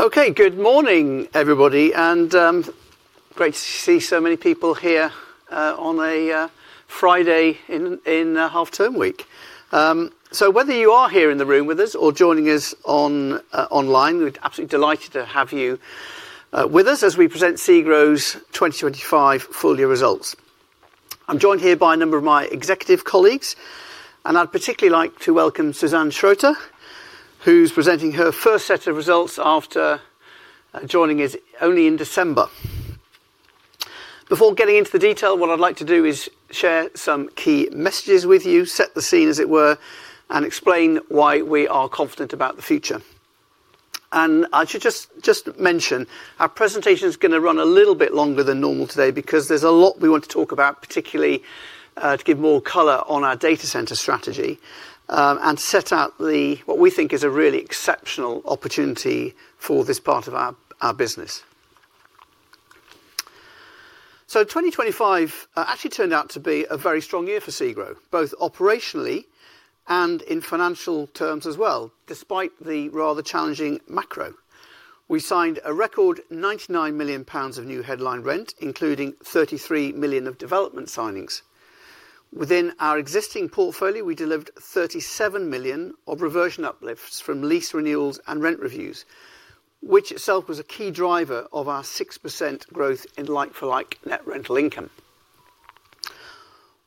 Okay, good morning, everybody, and, great to see so many people here, on a, Friday in half-term week. So whether you are here in the room with us or joining us online, we're absolutely delighted to have you with us as we present SEGRO's 2025 full year results. I'm joined here by a number of my executive colleagues, and I'd particularly like to welcome Susanne Schröter, who's presenting her first set of results after joining us only in December. Before getting into the detail, what I'd like to do is share some key messages with you, set the scene, as it were, and explain why we are confident about the future. I should just, just mention, our presentation is gonna run a little bit longer than normal today because there's a lot we want to talk about, particularly, to give more color on our data centre strategy, and set out what we think is a really exceptional opportunity for this part of our, our business. 2025 actually turned out to be a very strong year for SEGRO, both operationally and in financial terms as well, despite the rather challenging macro. We signed a record 99 million pounds of new headline rent, including 33 million of development signings. Within our existing portfolio, we delivered 37 million of reversion uplifts from lease renewals and rent reviews, which itself was a key driver of our 6% growth in like-for-like net rental income.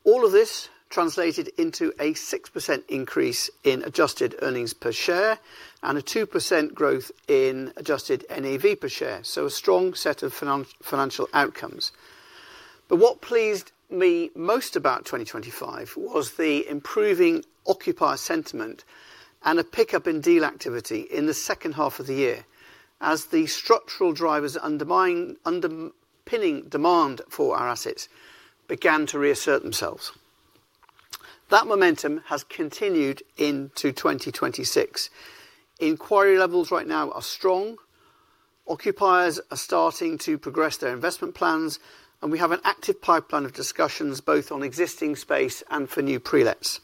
All of this translated into a 6% increase in adjusted earnings per share and a 2% growth in adjusted NAV per share, so a strong set of financial outcomes. But what pleased me most about 2025 was the improving occupier sentiment and a pickup in deal activity in the second half of the year, as the structural drivers underpinning demand for our assets began to reassert themselves. That momentum has continued into 2026. Inquiry levels right now are strong. Occupiers are starting to progress their investment plans, and we have an active pipeline of discussions, both on existing space and for new pre-lets.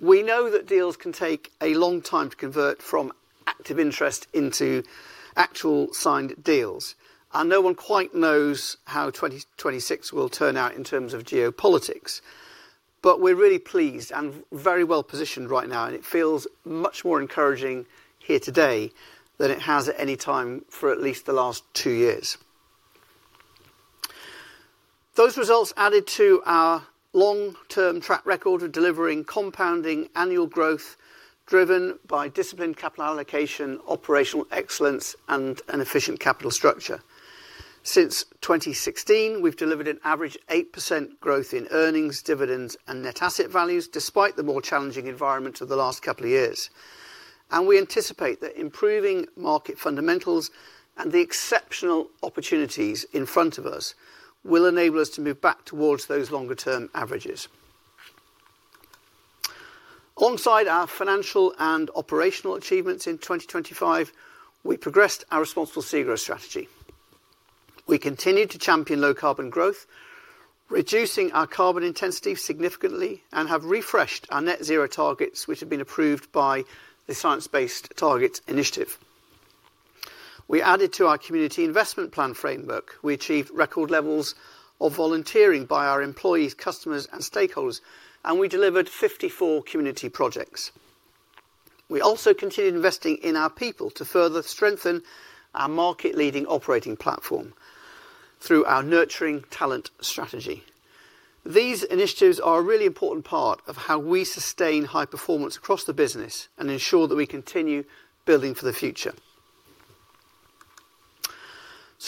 We know that deals can take a long time to convert from active interest into actual signed deals, and no one quite knows how 2026 will turn out in terms of geopolitics. We're really pleased and very well positioned right now, and it feels much more encouraging here today than it has at any time for at least the last two years. Those results added to our long-term track record of delivering compounding annual growth, driven by disciplined capital allocation, operational excellence, and an efficient capital structure. Since 2016, we've delivered an average 8% growth in earnings, dividends, and net asset values, despite the more challenging environment of the last couple of years. We anticipate that improving market fundamentals and the exceptional opportunities in front of us will enable us to move back towards those longer-term averages. Alongside our financial and operational achievements in 2025, we progressed our Responsible SEGRO strategy. We continued to champion low-carbon growth, reducing our carbon intensity significantly and have refreshed our net zero targets, which have been approved by the Science Based Targets initiative. We added to our community investment plan framework. We achieved record levels of volunteering by our employees, customers, and stakeholders, and we delivered 54 community projects. We also continued investing in our people to further strengthen our market-leading operating platform through our Nurturing Talent strategy. These initiatives are a really important part of how we sustain high performance across the business and ensure that we continue building for the future.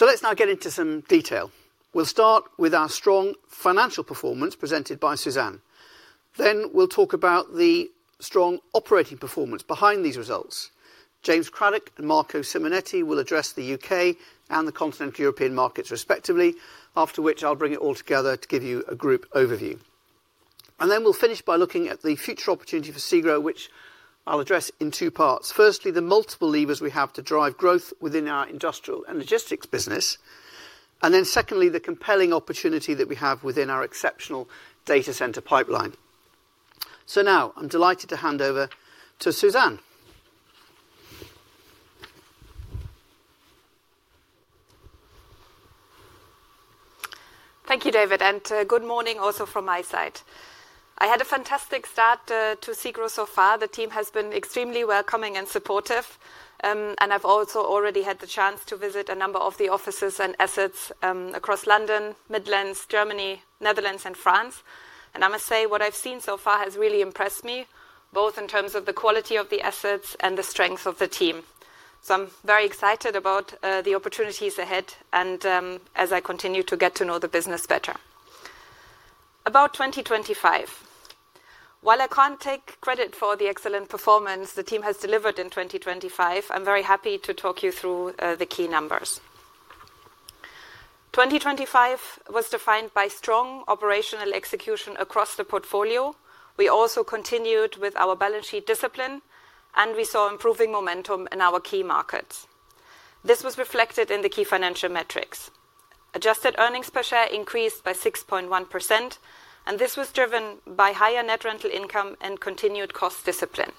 Let's now get into some detail. We'll start with our strong financial performance, presented by Susanne. We'll talk about the strong operating performance behind these results. James Craddock and Marco Simonetti will address the U.K. and the Continental European markets respectively, after which I'll bring it all together to give you a group overview. And then we'll finish by looking at the future opportunity for SEGRO, which I'll address in two parts. Firstly, the multiple levers we have to drive growth within our industrial and logistics business, and then secondly, the compelling opportunity that we have within our exceptional data centre pipeline. So now I'm delighted to hand over to Susanne. Thank you, David, and good morning also from my side. I had a fantastic start to SEGRO so far. The team has been extremely welcoming and supportive, and I've also already had the chance to visit a number of the offices and assets across London, Midlands, Germany, Netherlands, and France. And I must say, what I've seen so far has really impressed me, both in terms of the quality of the assets and the strength of the team. So I'm very excited about the opportunities ahead and as I continue to get to know the business better. About 2025. While I can't take credit for the excellent performance the team has delivered in 2025, I'm very happy to talk you through the key numbers. 2025 was defined by strong operational execution across the portfolio. We also continued with our balance sheet discipline, and we saw improving momentum in our key markets. This was reflected in the key financial metrics. Adjusted earnings per share increased by 6.1%, and this was driven by higher net rental income and continued cost discipline.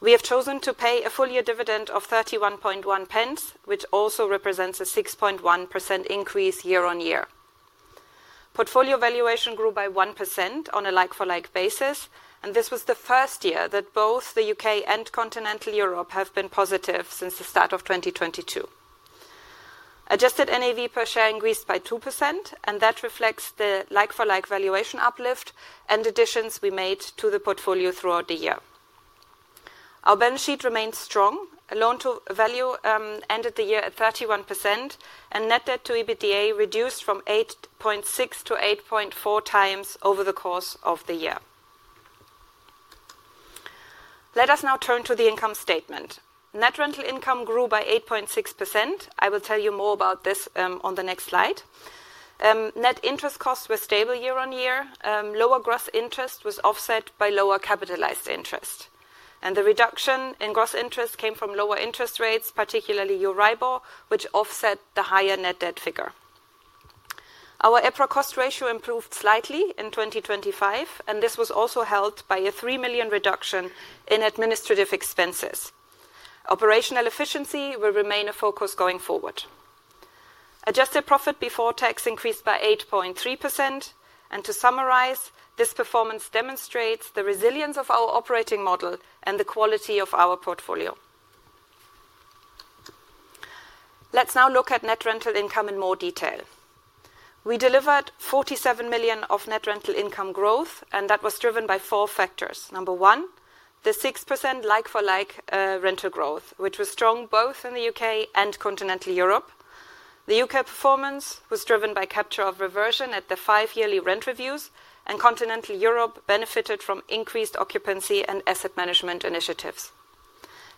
We have chosen to pay a full year dividend of 0.311, which also represents a 6.1% increase year-over-year. Portfolio valuation grew by 1% on a like-for-like basis, and this was the first year that both the U.K. and Continental Europe have been positive since the start of 2022. Adjusted NAV per share increased by 2%, and that reflects the like-for-like valuation uplift and additions we made to the portfolio throughout the year. Our balance sheet remains strong. Loan to value ended the year at 31%, and net debt to EBITDA reduced from 8.6x-8.4x over the course of the year. Let us now turn to the income statement. Net rental income grew by 8.6%. I will tell you more about this on the next slide. Net interest costs were stable year on year. Lower gross interest was offset by lower capitalized interest, and the reduction in gross interest came from lower interest rates, particularly Euribor, which offset the higher net debt figure. Our EPRA cost ratio improved slightly in 2025, and this was also helped by a 3 million reduction in administrative expenses. Operational efficiency will remain a focus going forward. Adjusted profit before tax increased by 8.3%, and to summarize, this performance demonstrates the resilience of our operating model and the quality of our portfolio. Let's now look at net rental income in more detail. We delivered 47 million of net rental income growth, and that was driven by four factors. Number one, the 6% like-for-like rental growth, which was strong both in the U.K. and Continental Europe. The U.K. performance was driven by capture of reversion at the five-yearly rent reviews, and Continental Europe benefited from increased occupancy and asset management initiatives.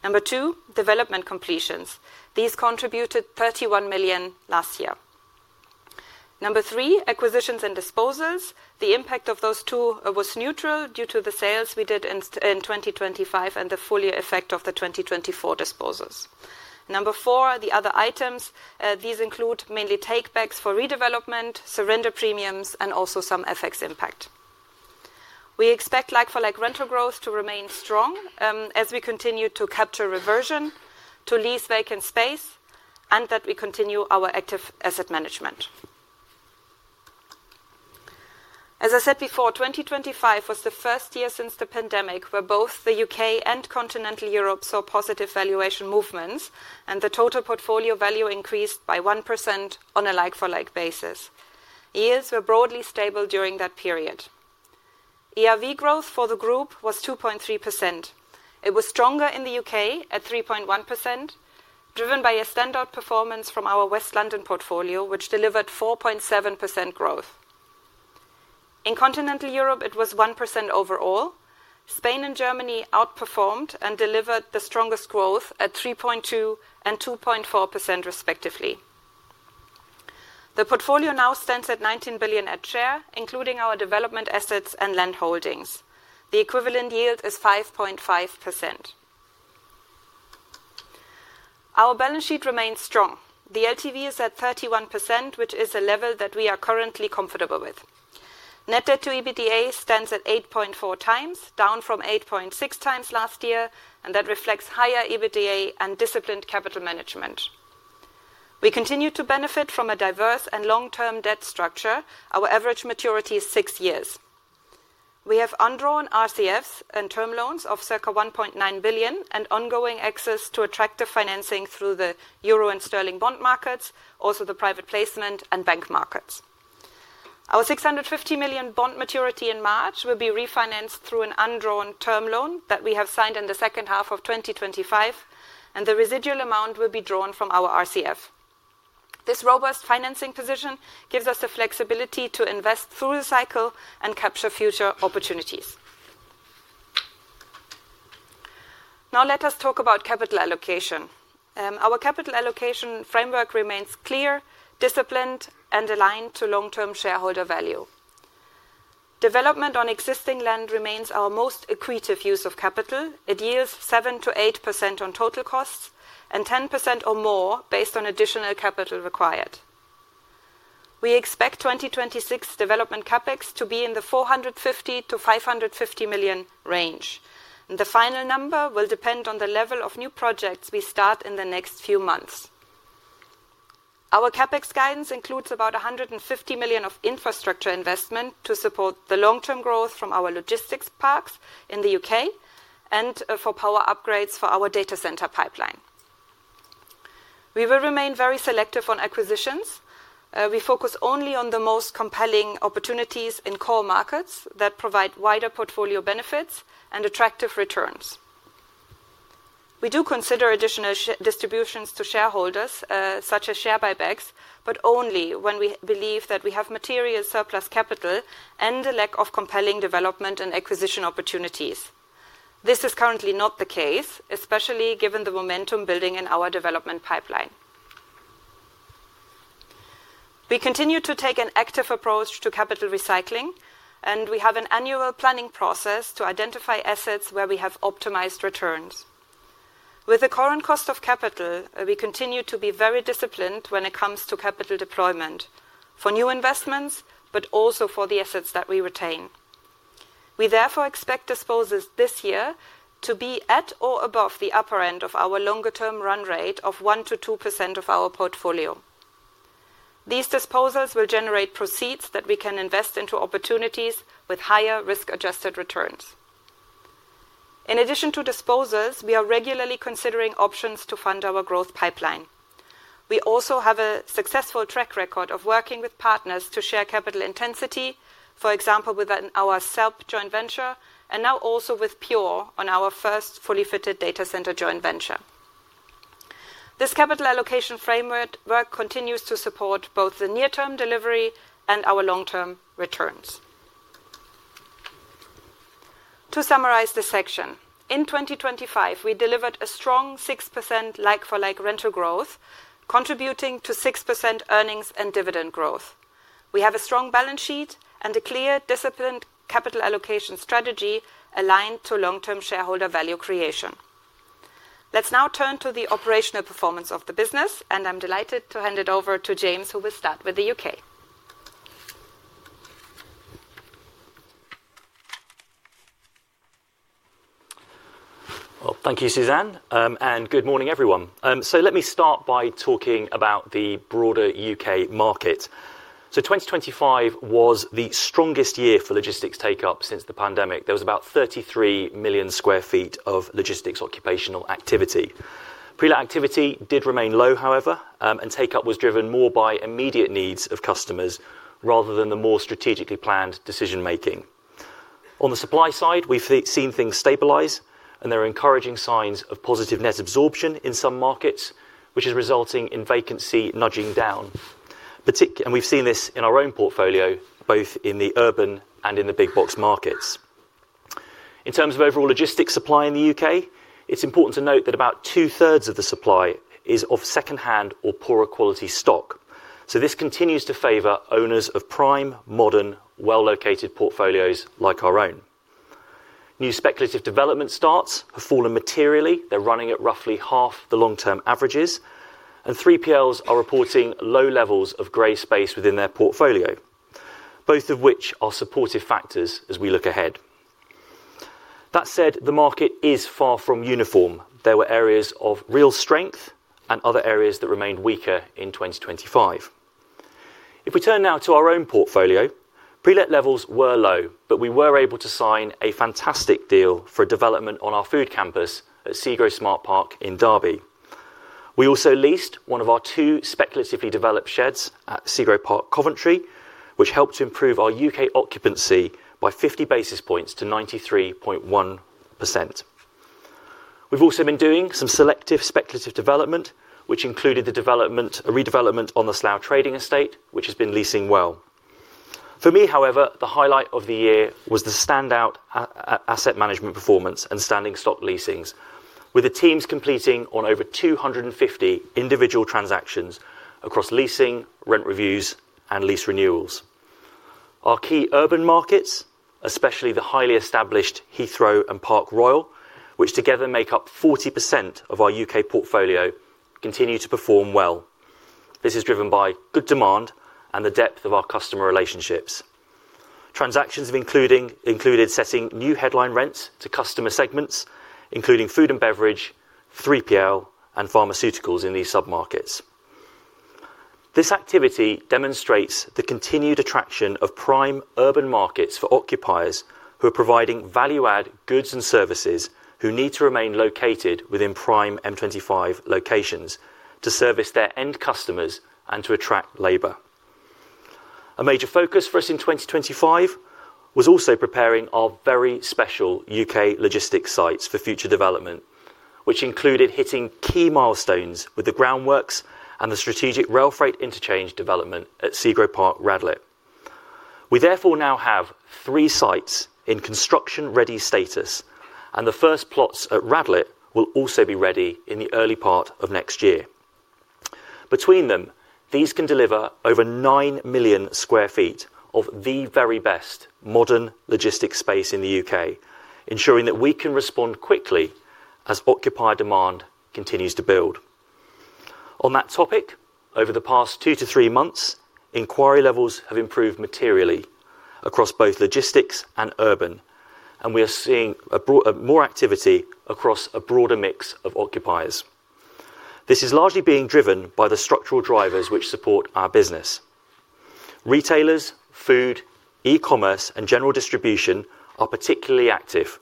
Number two, development completions. These contributed 31 million last year. Number three, acquisitions and disposals. The impact of those two was neutral due to the sales we did in 2025 and the full year effect of the 2024 disposals. Number four, the other items. These include mainly takebacks for redevelopment, surrender premiums, and also some FX impact. We expect like-for-like rental growth to remain strong, as we continue to capture reversion, to lease vacant space, and that we continue our active asset management. As I said before, 2025 was the first year since the pandemic where both the U.K. and Continental Europe saw positive valuation movements, and the total portfolio value increased by 1% on a like-for-like basis. Yields were broadly stable during that period. ERV growth for the group was 2.3%. It was stronger in the U.K. at 3.1%, driven by a standout performance from our West London portfolio, which delivered 4.7% growth. In Continental Europe, it was 1% overall. Spain and Germany outperformed and delivered the strongest growth at 3.2% and 2.4%, respectively. The portfolio now stands at 19 billion per share, including our development assets and land holdings. The equivalent yield is 5.5%. Our balance sheet remains strong. The LTV is at 31%, which is a level that we are currently comfortable with. Net debt to EBITDA stands at 8.4x, down from 8.6x last year, and that reflects higher EBITDA and disciplined capital management. We continue to benefit from a diverse and long-term debt structure. Our average maturity is six years. We have undrawn RCFs and term loans of circa 1.9 billion, and ongoing access to attractive financing through the euro and sterling bond markets, also the private placement and bank markets. Our 650 million bond maturity in March will be refinanced through an undrawn term loan that we have signed in the second half of 2025, and the residual amount will be drawn from our RCF. This robust financing position gives us the flexibility to invest through the cycle and capture future opportunities. Now let us talk about capital allocation. Our capital allocation framework remains clear, disciplined, and aligned to long-term shareholder value. Development on existing land remains our most accretive use of capital. It yields 7%-8% on total costs and 10% or more based on additional capital required. We expect 2026 development CapEx to be in the 450 million-550 million range. The final number will depend on the level of new projects we start in the next few months. Our CapEx guidance includes about 150 million of infrastructure investment to support the long-term growth from our logistics parks in the U.K. and for power upgrades for our data centre pipeline. We will remain very selective on acquisitions. We focus only on the most compelling opportunities in core markets that provide wider portfolio benefits and attractive returns. We do consider additional distributions to shareholders, such as share buybacks, but only when we believe that we have material surplus capital and a lack of compelling development and acquisition opportunities. This is currently not the case, especially given the momentum building in our development pipeline. We continue to take an active approach to capital recycling, and we have an annual planning process to identify assets where we have optimized returns. With the current cost of capital, we continue to be very disciplined when it comes to capital deployment for new investments, but also for the assets that we retain. We therefore expect disposals this year to be at or above the upper end of our longer-term run rate of 1%-2% of our portfolio. These disposals will generate proceeds that we can invest into opportunities with higher risk-adjusted returns. In addition to disposals, we are regularly considering options to fund our growth pipeline. We also have a successful track record of working with partners to share capital intensity, for example, with our SELP joint venture, and now also with Pure on our first fully fitted data centre joint venture. This capital allocation framework continues to support both the near-term delivery and our long-term returns. To summarize this section, in 2025, we delivered a strong 6% like-for-like rental growth, contributing to 6% earnings and dividend growth. We have a strong balance sheet and a clear, disciplined capital allocation strategy aligned to long-term shareholder value creation. Let's now turn to the operational performance of the business, and I'm delighted to hand it over to James, who will start with the U.K.. Well, thank you, Susanne, and good morning, everyone. Let me start by talking about the broader U.K. market. 2025 was the strongest year for logistics take-up since the pandemic. There was about 33 million sq ft of logistics occupational activity. Pre-let activity did remain low, however, and take-up was driven more by immediate needs of customers rather than the more strategically planned decision making. On the supply side, we've seen things stabilize, and there are encouraging signs of positive net absorption in some markets, which is resulting in vacancy nudging down. Particularly, we've seen this in our own portfolio, both in the urban and in the big box markets. In terms of overall logistics supply in the U.K., it's important to note that about 2/3 of the supply is of secondhand or poorer quality stock. So this continues to favor owners of prime, modern, well-located portfolios like our own. New speculative development starts have fallen materially. They're running at roughly half the long-term averages, and 3PLs are reporting low levels of grey space within their portfolio, both of which are supportive factors as we look ahead. That said, the market is far from uniform. There were areas of real strength and other areas that remained weaker in 2025. If we turn now to our own portfolio, pre-let levels were low, but we were able to sign a fantastic deal for development on our food campus at SEGRO SmartParc Derby. We also leased one of our two speculatively developed sheds at SEGRO Park Coventry, which helped to improve our U.K. occupancy by 50 basis points to 93.1%. We've also been doing some selective speculative development, which included the development, a redevelopment on the Slough Trading Estate, which has been leasing well. For me, however, the highlight of the year was the standout asset management performance and standing stock leasings, with the teams completing on over 250 individual transactions across leasing, rent reviews, and lease renewals. Our key urban markets, especially the highly established Heathrow and Park Royal, which together make up 40% of our U.K. portfolio, continue to perform well. This is driven by good demand and the depth of our customer relationships. Transactions have included setting new headline rents to customer segments, including food and beverage, 3PL, and pharmaceuticals in these sub-markets. This activity demonstrates the continued attraction of prime urban markets for occupiers who are providing value-add goods and services, who need to remain located within prime M25 locations to service their end customers and to attract labor. A major focus for us in 2025 was also preparing our very special U.K. logistics sites for future development, which included hitting key milestones with the groundworks and the strategic rail freight interchange development at SEGRO Park Radlett. We therefore now have three sites in construction-ready status, and the first plots at Radlett will also be ready in the early part of next year. Between them, these can deliver over 9 million sq ft of the very best modern logistics space in the U.K., ensuring that we can respond quickly as occupier demand continues to build. On that topic, over the past two to three months, inquiry levels have improved materially across both logistics and urban, and we are seeing a broad, more activity across a broader mix of occupiers. This is largely being driven by the structural drivers which support our business. Retailers, food, e-commerce, and general distribution are particularly active,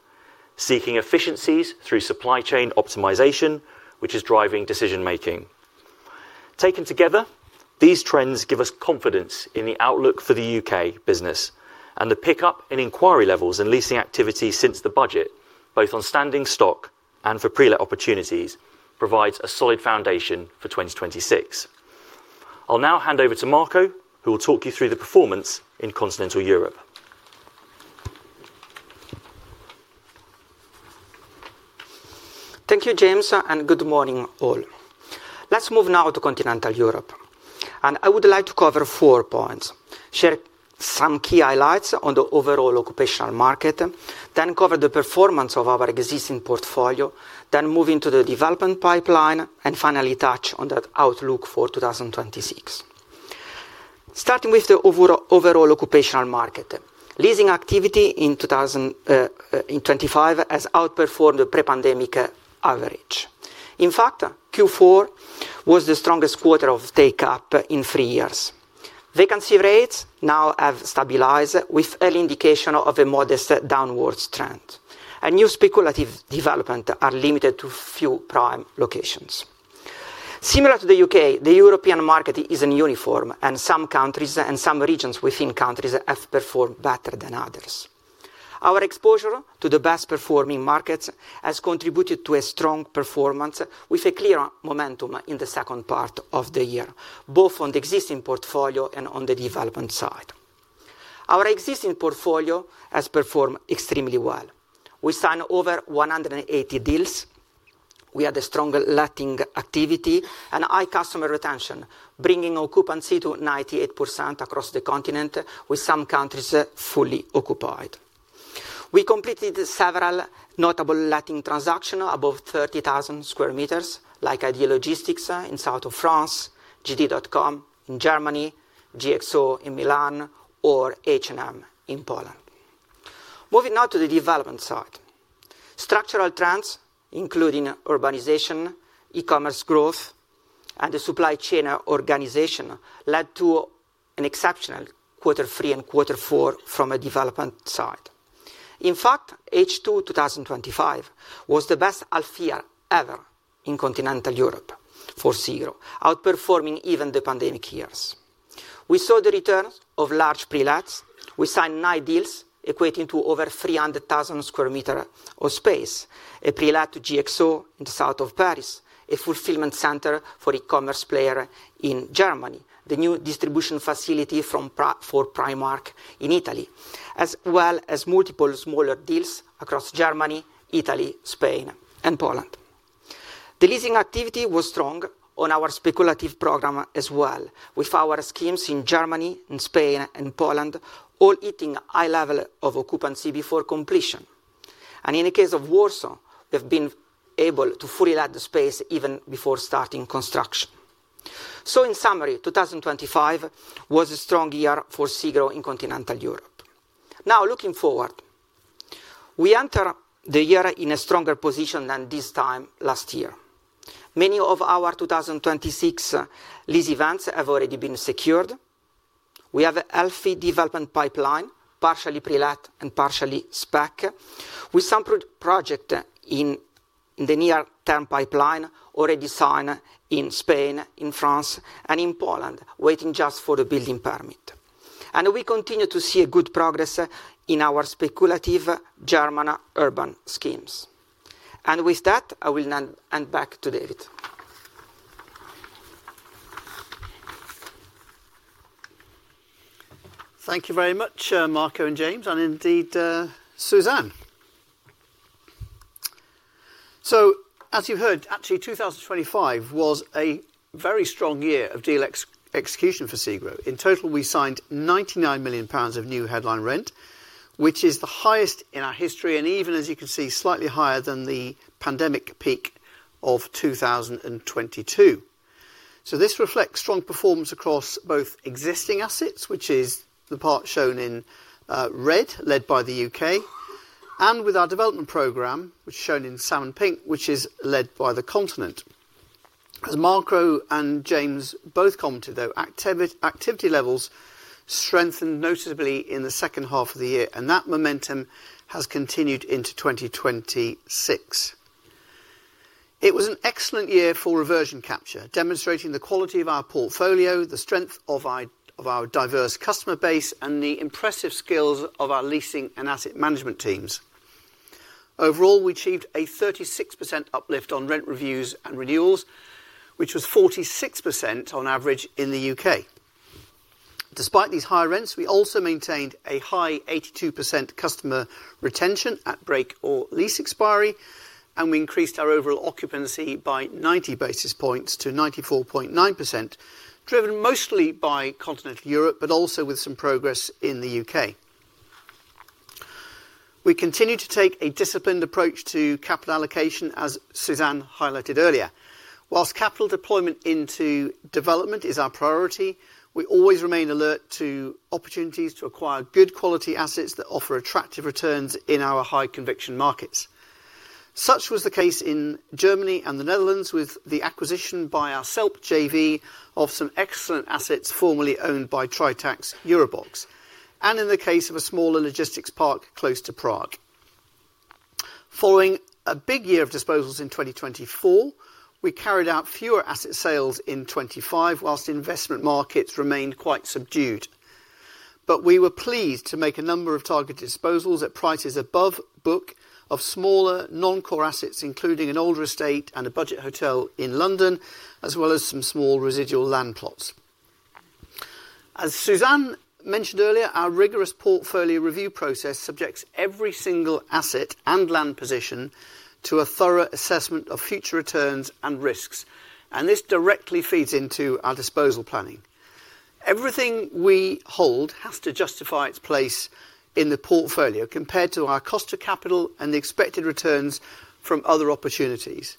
seeking efficiencies through supply chain optimization, which is driving decision making. Taken together, these trends give us confidence in the outlook for the U.K. business and the pickup in inquiry levels and leasing activity since the budget, both on standing stock and for prelet opportunities, provides a solid foundation for 2026. I'll now hand over to Marco, who will talk you through the performance in Continental Europe.... Thank you, James, and good morning, all. Let's move now to Continental Europe, and I would like to cover four points: share some key highlights on the overall occupational market, then cover the performance of our existing portfolio, then move into the development pipeline, and finally touch on the outlook for 2026. Starting with the overall occupational market. Leasing activity in 2025 has outperformed the pre-pandemic average. In fact, Q4 was the strongest quarter of take-up in three years. Vacancy rates now have stabilized, with an indication of a modest downward trend, and new speculative development are limited to few prime locations. Similar to the U.K., the European market isn't uniform, and some countries and some regions within countries have performed better than others. Our exposure to the best-performing markets has contributed to a strong performance, with a clear momentum in the second part of the year, both on the existing portfolio and on the development side. Our existing portfolio has performed extremely well. We signed over 180 deals. We had a strong letting activity and high customer retention, bringing occupancy to 98% across the continent, with some countries fully occupied. We completed several notable letting transaction above 30,000 sq m, like ID Logistics in South of France, JD.com in Germany, GXO in Milan, or H&M in Poland. Moving now to the development side. Structural trends, including urbanization, e-commerce growth, and the supply chain organization, led to an exceptional quarter three and quarter four from a development side. In fact, H2 2025 was the best half year ever in Continental Europe for SEGRO, outperforming even the pandemic years. We saw the return of large pre-lets. We signed 9 deals equating to over 300,000 sq m of space. A prelet to GXO in the south of Paris, a fulfilment centre for e-commerce player in Germany, the new distribution facility for Primark in Italy, as well as multiple smaller deals across Germany, Italy, Spain, and Poland. The leasing activity was strong on our speculative program as well, with our schemes in Germany, in Spain, and Poland all hitting a high level of occupancy before completion. And in the case of Warsaw, we've been able to fully let the space even before starting construction. So in summary, 2025 was a strong year for SEGRO in Continental Europe. Now, looking forward, we enter the year in a stronger position than this time last year. Many of our 2026 lease events have already been secured. We have a healthy development pipeline, partially prelet and partially spec, with some project in the near-term pipeline already signed in Spain, in France, and in Poland, waiting just for the building permit. We continue to see good progress in our speculative German urban schemes. With that, I will now hand back to David. Thank you very much, Marco and James, and indeed, Susanne. So as you heard, actually, 2025 was a very strong year of deal execution for SEGRO. In total, we signed GBP 99 million of new headline rent, which is the highest in our history, and even, as you can see, slightly higher than the pandemic peak of 2022. So this reflects strong performance across both existing assets, which is the part shown in red, led by the U.K., and with our development programme, which is shown in salmon pink, which is led by the continent. As Marco and James both commented, though, activity levels strengthened noticeably in the second half of the year, and that momentum has continued into 2026. It was an excellent year for reversion capture, demonstrating the quality of our portfolio, the strength of our, of our diverse customer base, and the impressive skills of our leasing and asset management teams. Overall, we achieved a 36% uplift on rent reviews and renewals, which was 46% on average in the U.K. Despite these higher rents, we also maintained a high 82% customer retention at break or lease expiry, and we increased our overall occupancy by 90 basis points to 94.9%, driven mostly by Continental Europe, but also with some progress in the U.K. We continue to take a disciplined approach to capital allocation, as Susanne highlighted earlier. Whilst capital deployment into development is our priority, we always remain alert to opportunities to acquire good quality assets that offer attractive returns in our high conviction markets. Such was the case in Germany and the Netherlands, with the acquisition by our SELP JV of some excellent assets formerly owned by Tritax EuroBox, and in the case of a smaller logistics park close to Prague. Following a big year of disposals in 2024, we carried out fewer asset sales in 2025, while investment markets remained quite subdued. But we were pleased to make a number of targeted disposals at prices above book of smaller, non-core assets, including an older estate and a budget hotel in London, as well as some small residual land plots.... As Susanne mentioned earlier, our rigorous portfolio review process subjects every single asset and land position to a thorough assessment of future returns and risks, and this directly feeds into our disposal planning. Everything we hold has to justify its place in the portfolio compared to our cost of capital and the expected returns from other opportunities.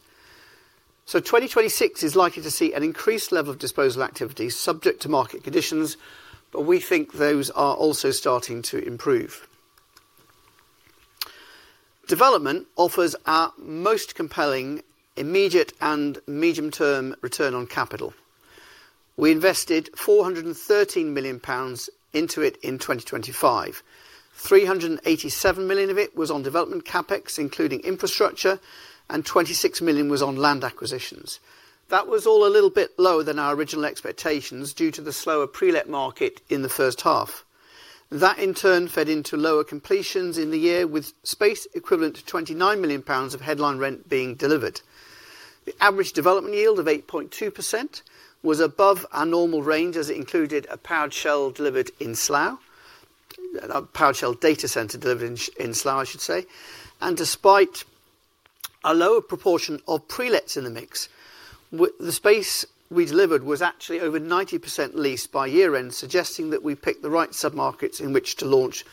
So 2026 is likely to see an increased level of disposal activity, subject to market conditions, but we think those are also starting to improve. Development offers our most compelling, immediate, and medium-term return on capital. We invested 413 million pounds into it in 2025. 387 million of it was on development CapEx, including infrastructure, and 26 million was on land acquisitions. That was all a little bit lower than our original expectations due to the slower pre-let market in the first half. That, in turn, fed into lower completions in the year, with space equivalent to 29 million pounds of headline rent being delivered. The average development yield of 8.2% was above our normal range, as it included a powered shell delivered in Slough—a powered shell data centre delivered in, in Slough, I should say. Despite a lower proportion of pre-lets in the mix, the space we delivered was actually over 90% leased by year-end, suggesting that we picked the right submarkets in which to launch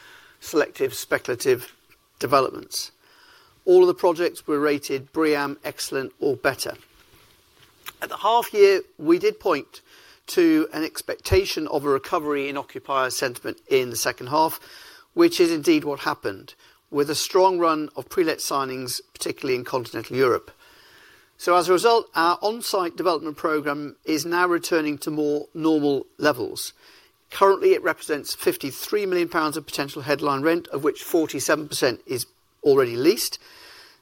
selective speculative developments. All of the projects were rated BREEAM Excellent or better. At the half year, we did point to an expectation of a recovery in occupier sentiment in the second half, which is indeed what happened, with a strong run of pre-let signings, particularly in Continental Europe. As a result, our on-site development programme is now returning to more normal levels. Currently, it represents 53 million pounds of potential headline rent, of which 47% is already leased.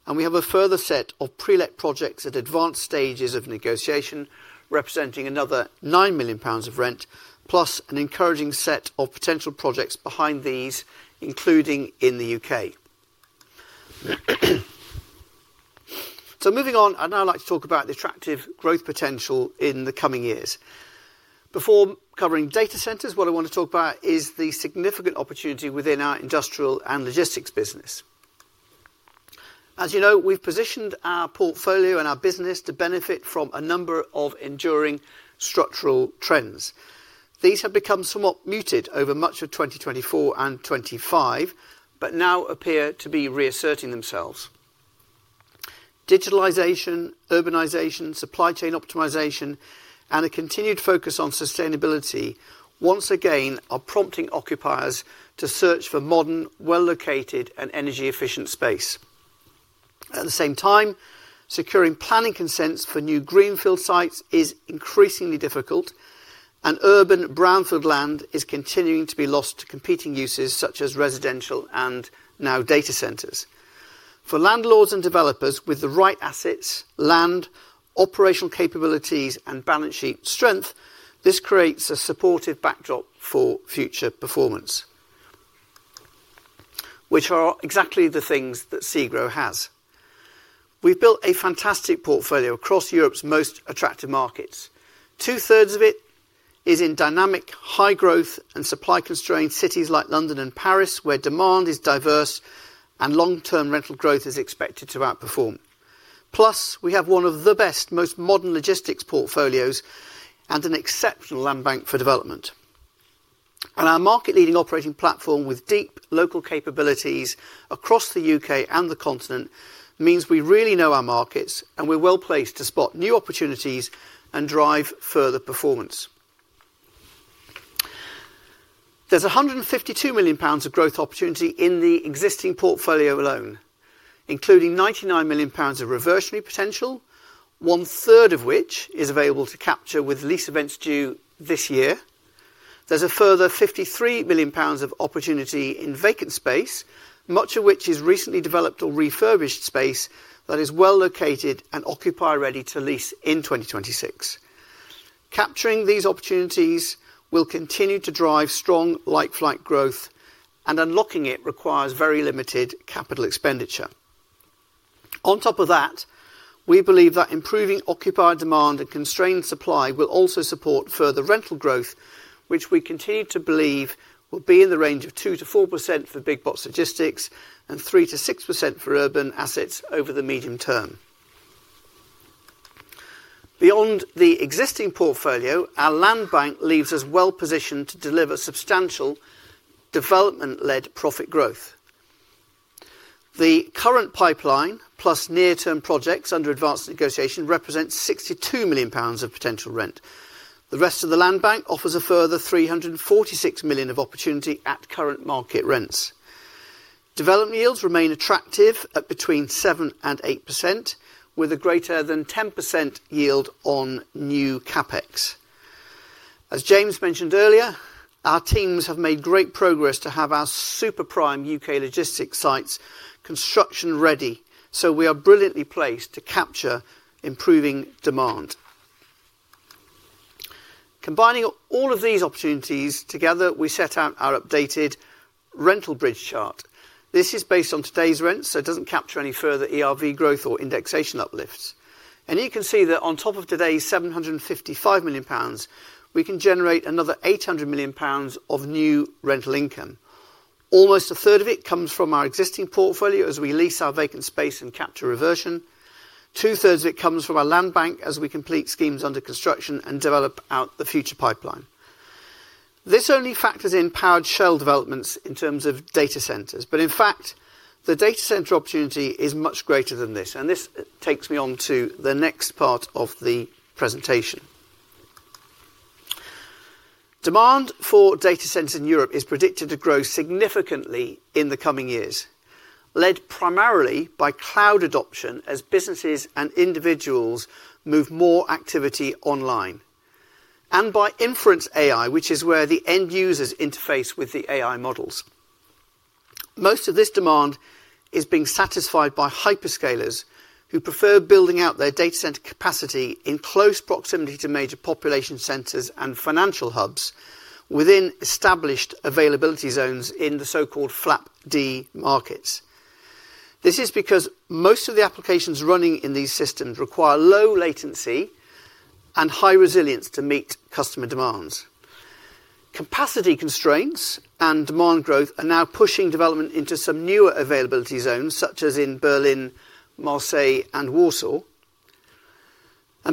We have a further set of pre-let projects at advanced stages of negotiation, representing another 9 million pounds of rent, plus an encouraging set of potential projects behind these, including in the U.K. Moving on, I'd now like to talk about the attractive growth potential in the coming years. Before covering data centres, what I want to talk about is the significant opportunity within our industrial and logistics business. As you know, we've positioned our portfolio and our business to benefit from a number of enduring structural trends. These have become somewhat muted over much of 2024 and 2025, but now appear to be reasserting themselves. Digitalisation, urbanisation, supply chain optimisation, and a continued focus on sustainability once again are prompting occupiers to search for modern, well-located, and energy-efficient space. At the same time, securing planning consents for new greenfield sites is increasingly difficult, and urban brownfield land is continuing to be lost to competing uses such as residential and now data centres. For landlords and developers with the right assets, land, operational capabilities, and balance sheet strength, this creates a supportive backdrop for future performance, which are exactly the things that SEGRO has. We've built a fantastic portfolio across Europe's most attractive markets. Two-thirds of it is in dynamic, high-growth, and supply-constrained cities like London and Paris, where demand is diverse and long-term rental growth is expected to outperform. Plus, we have one of the best, most modern logistics portfolios and an exceptional land bank for development. Our market-leading operating platform, with deep local capabilities across the U.K. and the continent, means we really know our markets, and we're well-placed to spot new opportunities and drive further performance. There's 152 million pounds of growth opportunity in the existing portfolio alone, including 99 million pounds of reversionary potential, one-third of which is available to capture with lease events due this year. There's a further 53 million pounds of opportunity in vacant space, much of which is recently developed or refurbished space that is well located and occupier-ready to lease in 2026. Capturing these opportunities will continue to drive strong like-for-like growth, and unlocking it requires very limited capital expenditure. On top of that, we believe that improving occupier demand and constrained supply will also support further rental growth, which we continue to believe will be in the range of 2%-4% for big box logistics and 3%-6% for urban assets over the medium term. Beyond the existing portfolio, our land bank leaves us well positioned to deliver substantial development-led profit growth. The current pipeline, plus near-term projects under advanced negotiation, represents 62 million pounds of potential rent. The rest of the land bank offers a further 346 million of opportunity at current market rents. Development yields remain attractive at between 7% and 8%, with a greater than 10% yield on new CapEx. As James mentioned earlier, our teams have made great progress to have our super prime U.K. logistics sites construction-ready, so we are brilliantly placed to capture improving demand. Combining all of these opportunities together, we set out our updated rental bridge chart. This is based on today's rents, so it doesn't capture any further ERV growth or indexation uplifts. You can see that on top of today's 755 million pounds, we can generate another 800 million pounds of new rental income. Almost a third of it comes from our existing portfolio as we lease our vacant space and capture reversion. Two-thirds of it comes from our land bank as we complete schemes under construction and develop out the future pipeline. This only factors in powered shell developments in terms of data centres, but in fact, the data centre opportunity is much greater than this, and this takes me on to the next part of the presentation. Demand for data centres in Europe is predicted to grow significantly in the coming years, led primarily by cloud adoption as businesses and individuals move more activity online, and by inference AI, which is where the end users interface with the AI models. Most of this demand is being satisfied by hyperscalers, who prefer building out their data centre capacity in close proximity to major population centres and financial hubs within established availability zones in the so-called FLAP-D markets. This is because most of the applications running in these systems require low latency and high resilience to meet customer demands. Capacity constraints and demand growth are now pushing development into some newer availability zones, such as in Berlin, Marseille, and Warsaw.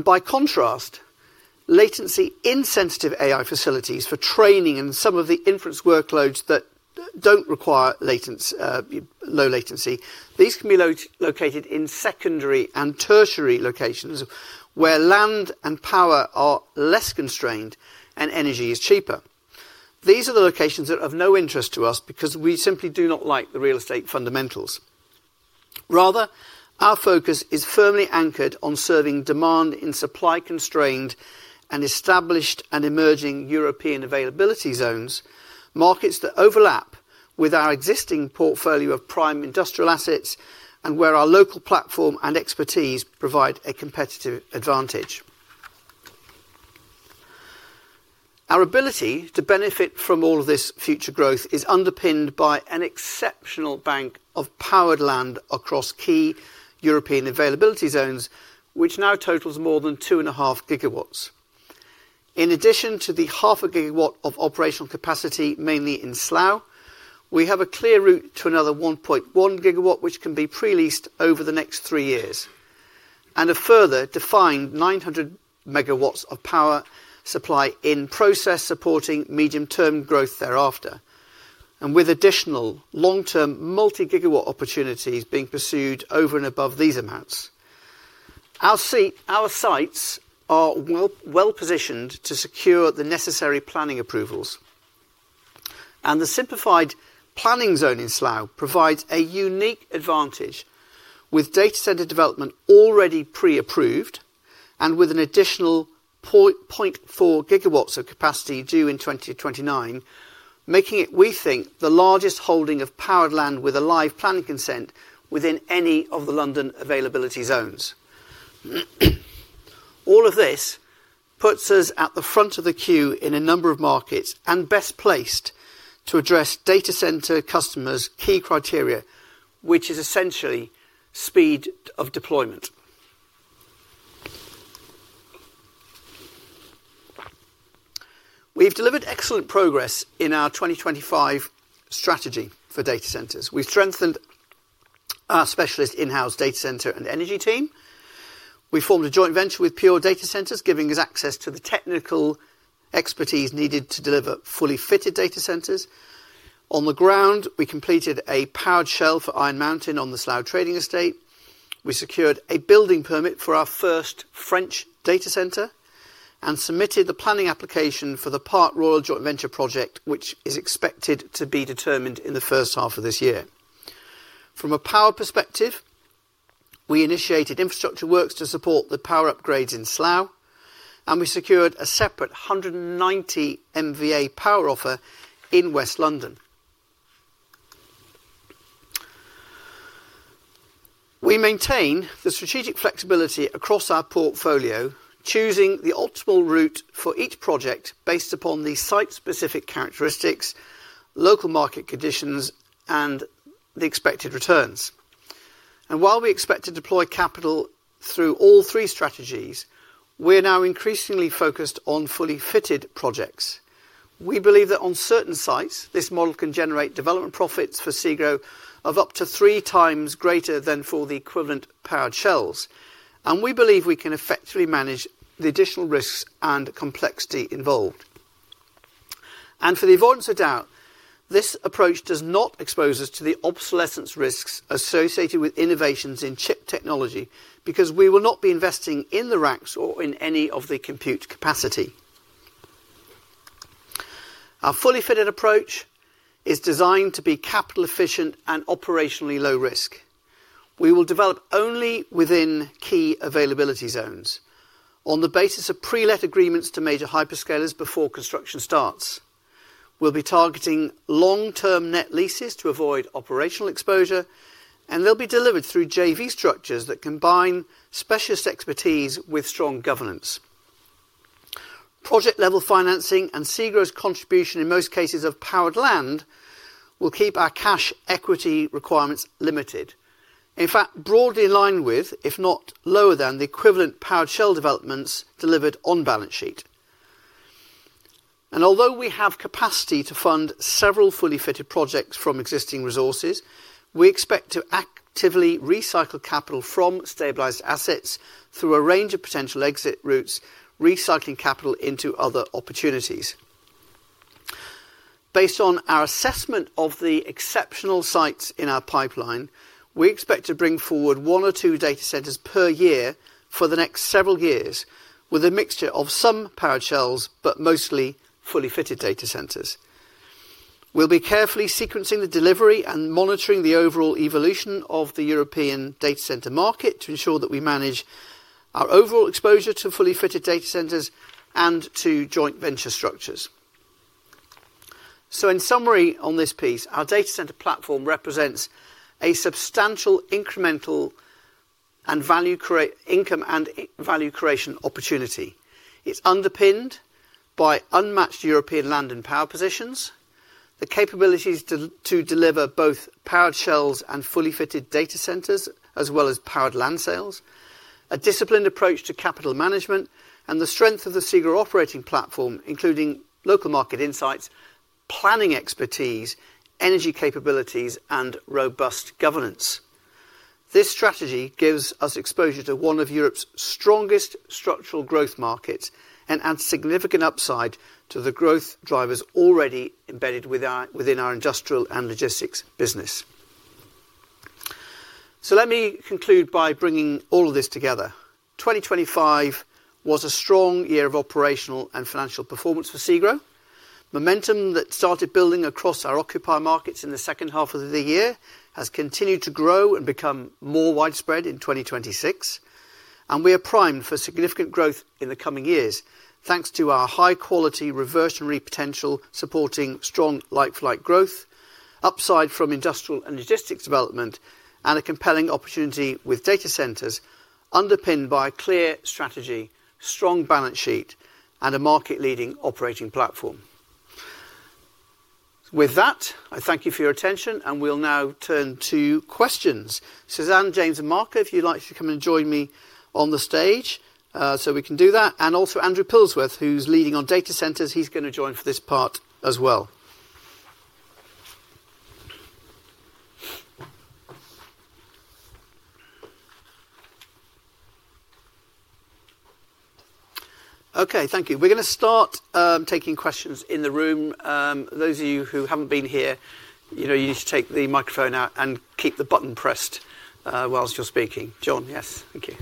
By contrast, latency-insensitive AI facilities for training and some of the inference workloads that don't require latency, low latency, these can be located in secondary and tertiary locations, where land and power are less constrained and energy is cheaper. These are the locations that are of no interest to us because we simply do not like the real estate fundamentals. Rather, our focus is firmly anchored on serving demand in supply-constrained and established and emerging European availability zones, markets that overlap with our existing portfolio of prime industrial assets and where our local platform and expertise provide a competitive advantage. Our ability to benefit from all of this future growth is underpinned by an exceptional bank of powered land across key European availability zones, which now totals more than 2.5 GW. In addition to the 0.5 GW of operational capacity, mainly in Slough, we have a clear route to another 1.1 GW, which can be pre-leased over the next three years, and a further defined 900 MW of power supply in process, supporting medium-term growth thereafter, and with additional long-term multi-GW opportunities being pursued over and above these amounts. Our sites are well, well-positioned to secure the necessary planning approvals. The simplified planning zone in Slough provides a unique advantage with data centre development already pre-approved and with an additional 0.4 GW of capacity due in 2029, making it, we think, the largest holding of powered land with a live planning consent within any of the London availability zones. All of this puts us at the front of the queue in a number of markets and best placed to address data centre customers' key criteria, which is essentially speed of deployment. We've delivered excellent progress in our 2025 strategy for data centres. We've strengthened our specialist in-house data centre and energy team. We formed a joint venture with Pure Data Centres, giving us access to the technical expertise needed to deliver fully fitted data centres. On the ground, we completed a powered shell for Iron Mountain on the Slough Trading Estate. We secured a building permit for our first French data centre and submitted the planning application for the Park Royal Joint Venture project, which is expected to be determined in the first half of this year. From a power perspective, we initiated infrastructure works to support the power upgrades in Slough, and we secured a separate 190 MVA power offer in West London. We maintain the strategic flexibility across our portfolio, choosing the optimal route for each project based upon the site-specific characteristics, local market conditions, and the expected returns. While we expect to deploy capital through all three strategies, we are now increasingly focused on fully fitted projects. We believe that on certain sites, this model can generate development profits for SEGRO of up to three times greater than for the equivalent powered shells, and we believe we can effectively manage the additional risks and complexity involved. For the avoidance of doubt, this approach does not expose us to the obsolescence risks associated with innovations in chip technology, because we will not be investing in the racks or in any of the compute capacity. Our fully fitted approach is designed to be capital efficient and operationally low risk. We will develop only within key availability zones on the basis of pre-let agreements to major hyperscalers before construction starts. We'll be targeting long-term net leases to avoid operational exposure, and they'll be delivered through JV structures that combine specialist expertise with strong governance... project-level financing and SEGRO's contribution, in most cases, of powered land, will keep our cash equity requirements limited. In fact, broadly in line with, if not lower than, the equivalent powered shell developments delivered on balance sheet. And although we have capacity to fund several fully fitted projects from existing resources, we expect to actively recycle capital from stabilized assets through a range of potential exit routes, recycling capital into other opportunities. Based on our assessment of the exceptional sites in our pipeline, we expect to bring forward one or two data centres per year for the next several years, with a mixture of some powered shells, but mostly fully fitted data centres. We'll be carefully sequencing the delivery and monitoring the overall evolution of the European data centre market to ensure that we manage our overall exposure to fully fitted data centres and to joint venture structures. So in summary on this piece, our data centre platform represents a substantial incremental and value create-- income and value creation opportunity. It's underpinned by unmatched European land and power positions, the capabilities to, to deliver both powered shells and fully fitted data centres, as well as powered land sales, a disciplined approach to capital management, and the strength of the SEGRO operating platform, including local market insights, planning expertise, energy capabilities, and robust governance. This strategy gives us exposure to one of Europe's strongest structural growth markets and adds significant upside to the growth drivers already embedded with our, within our industrial and logistics business. So let me conclude by bringing all of this together. 2025 was a strong year of operational and financial performance for SEGRO. Momentum that started building across our occupier markets in the second half of the year has continued to grow and become more widespread in 2026, and we are primed for significant growth in the coming years, thanks to our high-quality reversionary potential, supporting strong like-for-like growth, upside from industrial and logistics development, and a compelling opportunity with data centres, underpinned by a clear strategy, strong balance sheet, and a market-leading operating platform. With that, I thank you for your attention, and we'll now turn to questions. Susanne, James, and Marco, if you'd like to come and join me on the stage, so we can do that. And also Andrew Pilsworth, who's leading on data centres, he's going to join for this part as well. Okay, thank you. We're going to start taking questions in the room. Those of you who haven't been here, you know, you just take the microphone out and keep the button pressed while you're speaking. John, yes. Thank you.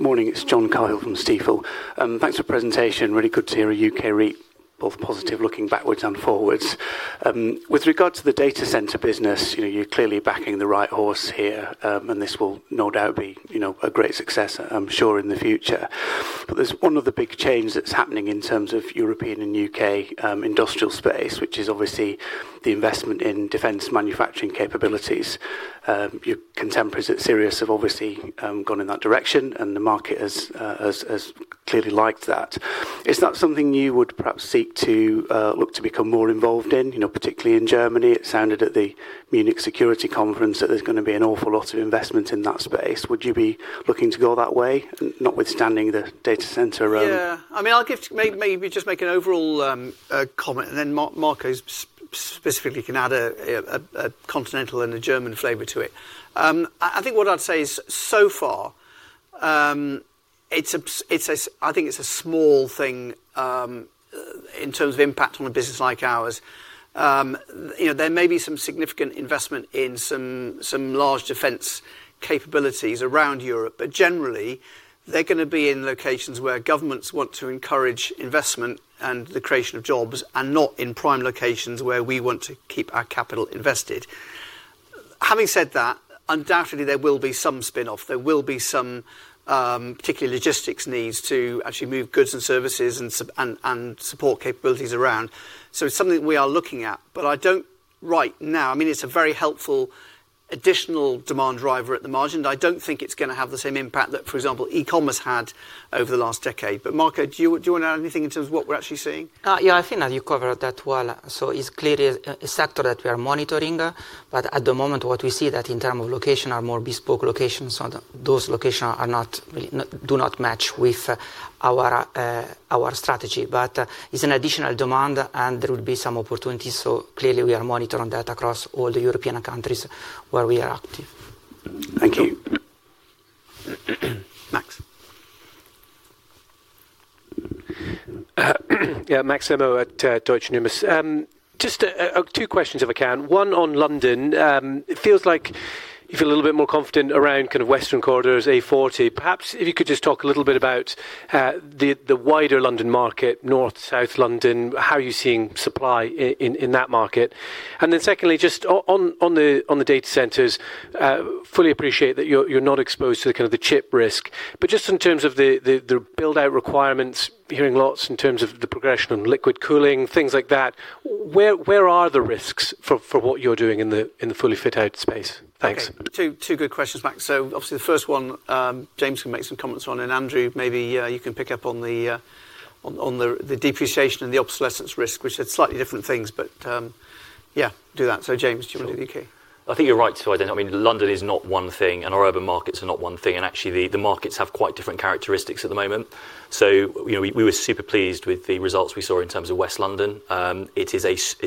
Morning, it's John Cahill from Stifel. Thanks for presentation. Really good to hear a U.K. REIT, both positive, looking backwards and forwards. With regard to the data centre business, you know, you're clearly backing the right horse here, and this will no doubt be, you know, a great success, I'm sure, in the future. There's one of the big changes that's happening in terms of European and U.K. industrial space, which is obviously the investment in defense manufacturing capabilities. Your contemporaries at Sirius have obviously gone in that direction, and the market has, has clearly liked that. Is that something you would perhaps seek to look to become more involved in? You know, particularly in Germany, it sounded at the Munich Security Conference that there's gonna be an awful lot of investment in that space. Would you be looking to go that way, notwithstanding the data centre realm? Yeah. I mean, I'll give maybe, maybe just make an overall comment, and then Marco specifically can add a continental and a German flavor to it. I think what I'd say is, so far, it's a small thing in terms of impact on a business like ours. You know, there may be some significant investment in some large defense capabilities around Europe, but generally, they're gonna be in locations where governments want to encourage investment and the creation of jobs, and not in prime locations where we want to keep our capital invested. Having said that, undoubtedly, there will be some spin-off. There will be some, particularly logistics needs to actually move goods and services and support capabilities around. So it's something we are looking at, but I don't right now... I mean, it's a very helpful additional demand driver at the margin. I don't think it's gonna have the same impact that, for example, e-commerce had over the last decade. But Marco, do you, do you want to add anything in terms of what we're actually seeing? Yeah, I think that you covered that well. So it's clearly a sector that we are monitoring, but at the moment, what we see that in terms of location are more bespoke locations. So those locations are not, do not match with our strategy. But it's an additional demand, and there will be some opportunities. So clearly, we are monitoring that across all the European countries where we are active. Thank you. Max. Yeah, Max Nimmo at Deutsche Numis. Just two questions, if I can. One on London. It feels like you feel a little bit more confident around kind of western corridors, A40. Perhaps if you could just talk a little bit about the wider London market, North, South London, how are you seeing supply in that market? And then secondly, just on the data centres, fully appreciate that you're not exposed to the kind of the chip risk. But just in terms of the build-out requirements, hearing lots in terms of the progression on liquid cooling, things like that, where are the risks for what you're doing in the fully fit-out space? Thanks. Okay. Two good questions, Max. So obviously, the first one, James can make some comments on, and Andrew, maybe you can pick up on the depreciation and the obsolescence risk, which are slightly different things, but... Yeah, do that. So James, do you want to do the U.K.? I think you're right to identify, I mean, London is not one thing, and our urban markets are not one thing, and actually, the markets have quite different characteristics at the moment. So, you know, we, we were super pleased with the results we saw in terms of West London. It is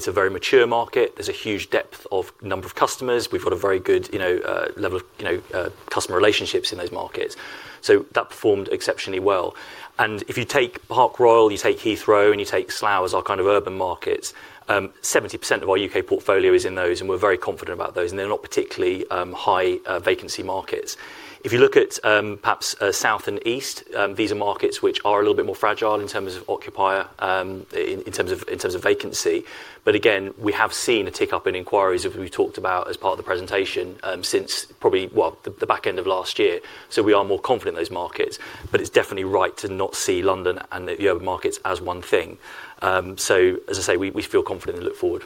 a very mature market. There's a huge depth of number of customers. We've got a very good, you know, level of, you know, customer relationships in those markets. So that performed exceptionally well. And if you take Park Royal, you take Heathrow, and you take Slough as our kind of urban markets, 70% of our U.K. portfolio is in those, and we're very confident about those, and they're not particularly high vacancy markets. If you look at, perhaps, South and East, these are markets which are a little bit more fragile in terms of occupier, in terms of vacancy. But again, we have seen a tick-up in inquiries as we talked about as part of the presentation, since probably, well, the back end of last year. So we are more confident in those markets, but it's definitely right to not see London and the other markets as one thing. So as I say, we feel confident and look forward.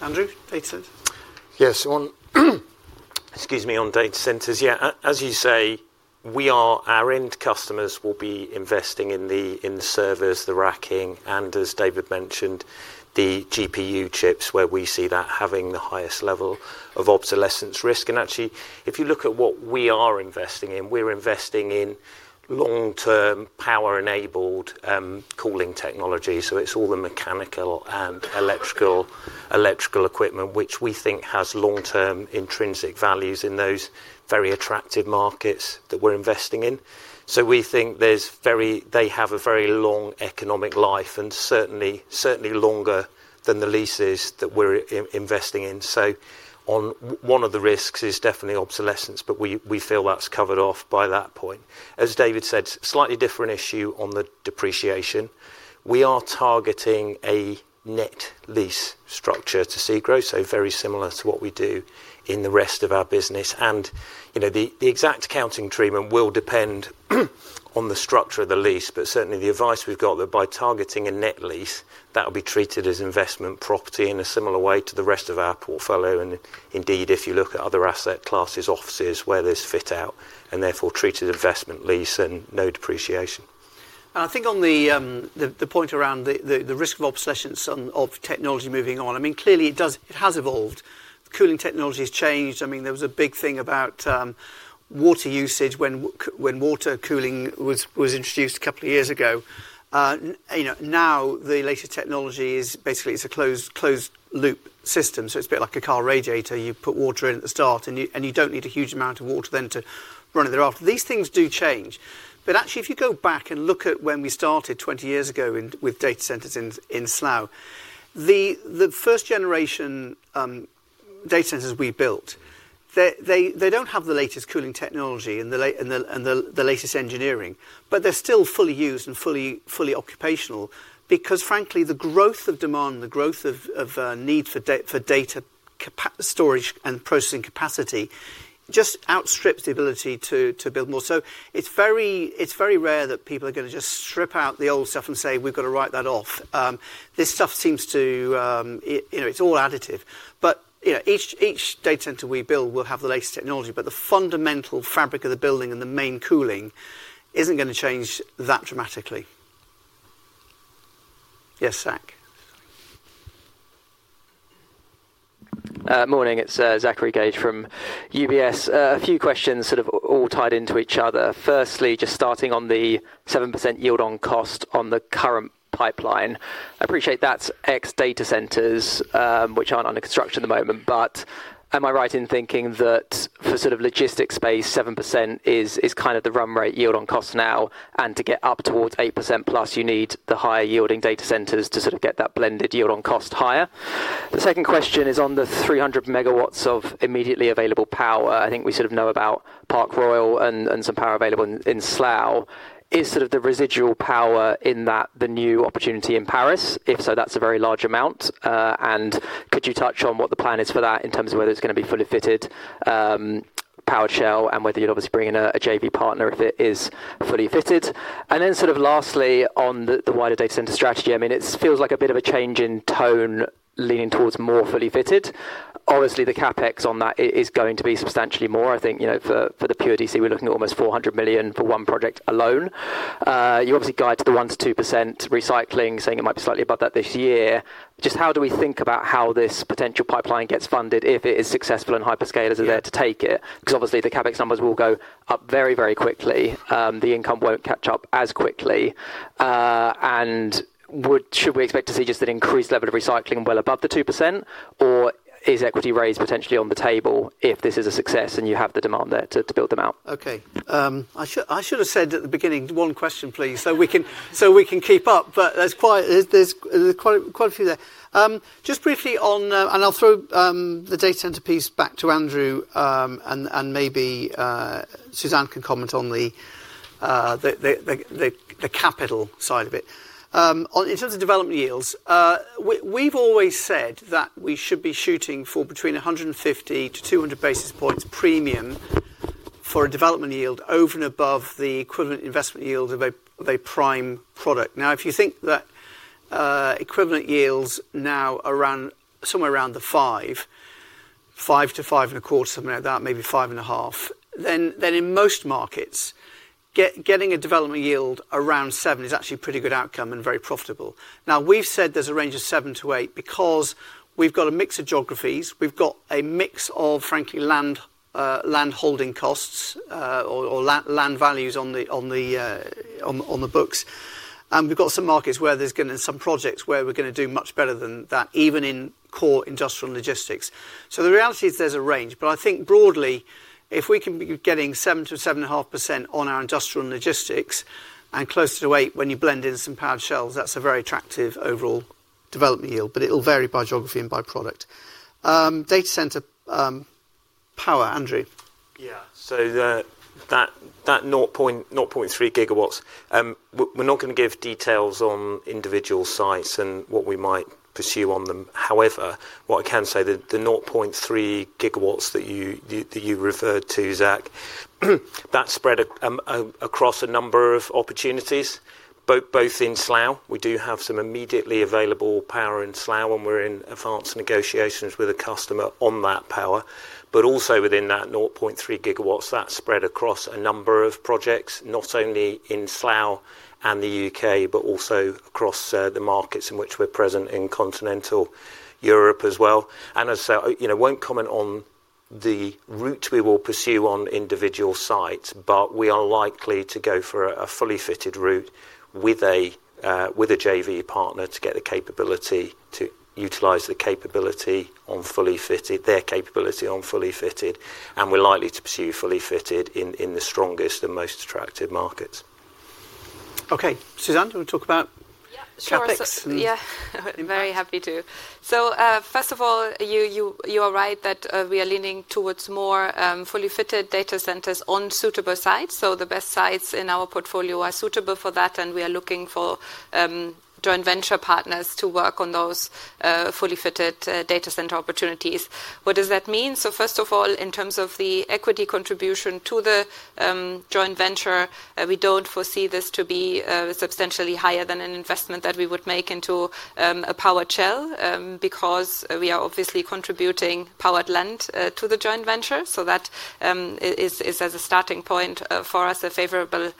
Andrew, data centres? Yes, excuse me, on data centres. Yeah, as you say, we are. Our end customers will be investing in the servers, the racking, and as David mentioned, the GPU chips, where we see that having the highest level of obsolescence risk. And actually, if you look at what we are investing in, we're investing in long-term, power-enabled cooling technology. So it's all the mechanical and electrical equipment, which we think has long-term intrinsic values in those very attractive markets that we're investing in. So we think there's very, they have a very long economic life and certainly longer than the leases that we're investing in. So one of the risks is definitely obsolescence, but we feel that's covered off by that point. As David said, slightly different issue on the depreciation. We are targeting a net lease structure to SEGRO, so very similar to what we do in the rest of our business. You know, the exact accounting treatment will depend on the structure of the lease, but certainly, the advice we've got that by targeting a net lease, that will be treated as investment property in a similar way to the rest of our portfolio. And indeed, if you look at other asset classes, offices, where there's fit-out, and therefore, treated investment lease and no depreciation. And I think on the point around the risk of obsolescence of technology moving on, I mean, clearly, it does, it has evolved. Cooling technology has changed. I mean, there was a big thing about water usage when water cooling was introduced a couple of years ago. You know, now, the latest technology is basically, it's a closed-loop system, so it's a bit like a car radiator. You put water in at the start, and you don't need a huge amount of water then to run it thereafter. These things do change. Actually, if you go back and look at when we started 20 years ago with data centres in Slough, the first generation data centres we built, they don't have the latest cooling technology and the latest engineering, but they're still fully used and fully, fully occupational. Frankly, the growth of demand, the growth of need for data storage and processing capacity, just outstrips the ability to build more. It's very rare that people are gonna just strip out the old stuff and say, "We've got to write that off." This stuff seems to, you know, it's all additive. You know, each data centre we build will have the latest technology, but the fundamental fabric of the building and the main cooling isn't gonna change that dramatically. Yes, Zach. Morning, it's Zachary Gauge from UBS. A few questions sort of all tied into each other. Firstly, just starting on the 7% yield on cost on the current pipeline. I appreciate that's ex data centres, which aren't under construction at the moment, but am I right in thinking that for sort of logistics space, 7% is kind of the run rate yield on cost now, and to get up towards 8%+, you need the higher yielding data centres to sort of get that blended yield on cost higher? The second question is on the 300 MW of immediately available power. I think we sort of know about Park Royal and some power available in Slough. Is sort of the residual power in that the new opportunity in Paris? If so, that's a very large amount. And could you touch on what the plan is for that in terms of whether it's gonna be fully fitted, powered shell, and whether you'll obviously bring in a JV partner if it is fully fitted? Then sort of lastly, on the wider data centre strategy, I mean, it feels like a bit of a change in tone, leaning towards more fully fitted. Obviously, the CapEx on that is going to be substantially more. I think, you know, for the pure DC, we're looking at almost 400 million for one project alone. You obviously guide to the 1%-2% recycling, saying it might be slightly above that this year. Just how do we think about how this potential pipeline gets funded if it is successful and hyperscalers are there to take it? Because obviously, the CapEx numbers will go up very, very quickly. The income won't catch up as quickly. Should we expect to see just an increased level of recycling well above the 2%, or is equity raised potentially on the table if this is a success and you have the demand there to, to build them out? Okay, I should have said at the beginning, one question, please, so we can keep up. But there's quite a few there. Just briefly on... And I'll throw the data centre piece back to Andrew, and maybe Susanne can comment on the capital side of it. On, in terms of development yields, we've always said that we should be shooting for between 150-200 basis points premium for a development yield over and above the equivalent investment yields of a prime product. Now, if you think that equivalent yields now around, somewhere around the five-... 5%-5.25%, something like that, maybe 5.5%, then in most markets, getting a development yield around 7% is actually a pretty good outcome and very profitable. Now, we've said there's a range of 7%-8% because we've got a mix of geographies, we've got a mix of frankly, land, land holding costs, or land values on the books. And we've got some markets where some projects where we're gonna do much better than that, even in core industrial logistics. The reality is there's a range, but I think broadly, if we can be getting 7%-7.5% on our industrial logistics and closer to 8% when you blend in some powered shells, that's a very attractive overall development yield, but it'll vary by geography and by product. Data centre power, Andrew? Yeah. So that 0.3 GW, we're not gonna give details on individual sites and what we might pursue on them. However, what I can say, the 0.3 GW that you referred to, Zach, that's spread across a number of opportunities, both in Slough, we do have some immediately available power in Slough, and we're in advanced negotiations with a customer on that power. But also within that 0.3 GW, that's spread across a number of projects, not only in Slough and the U.K., but also across the markets in which we're present in Continental Europe as well. As I say, you know, won't comment on the route we will pursue on individual sites, but we are likely to go for a fully fitted route with a JV partner to get the capability, to utilize the capability on fully fitted, their capability on fully fitted, and we're likely to pursue fully fitted in the strongest and most attractive markets. Okay, Susanne, do you want to talk about- Yeah, sure. CapEx and- Yeah, very happy to. So, first of all, you are right that we are leaning towards more fully fitted data centres on suitable sites. So the best sites in our portfolio are suitable for that, and we are looking for joint venture partners to work on those fully fitted data centre opportunities. What does that mean? So first of all, in terms of the equity contribution to the joint venture, we don't foresee this to be substantially higher than an investment that we would make into a powered shell, because we are obviously contributing powered land to the joint venture. So that is as a starting point for us, a favorable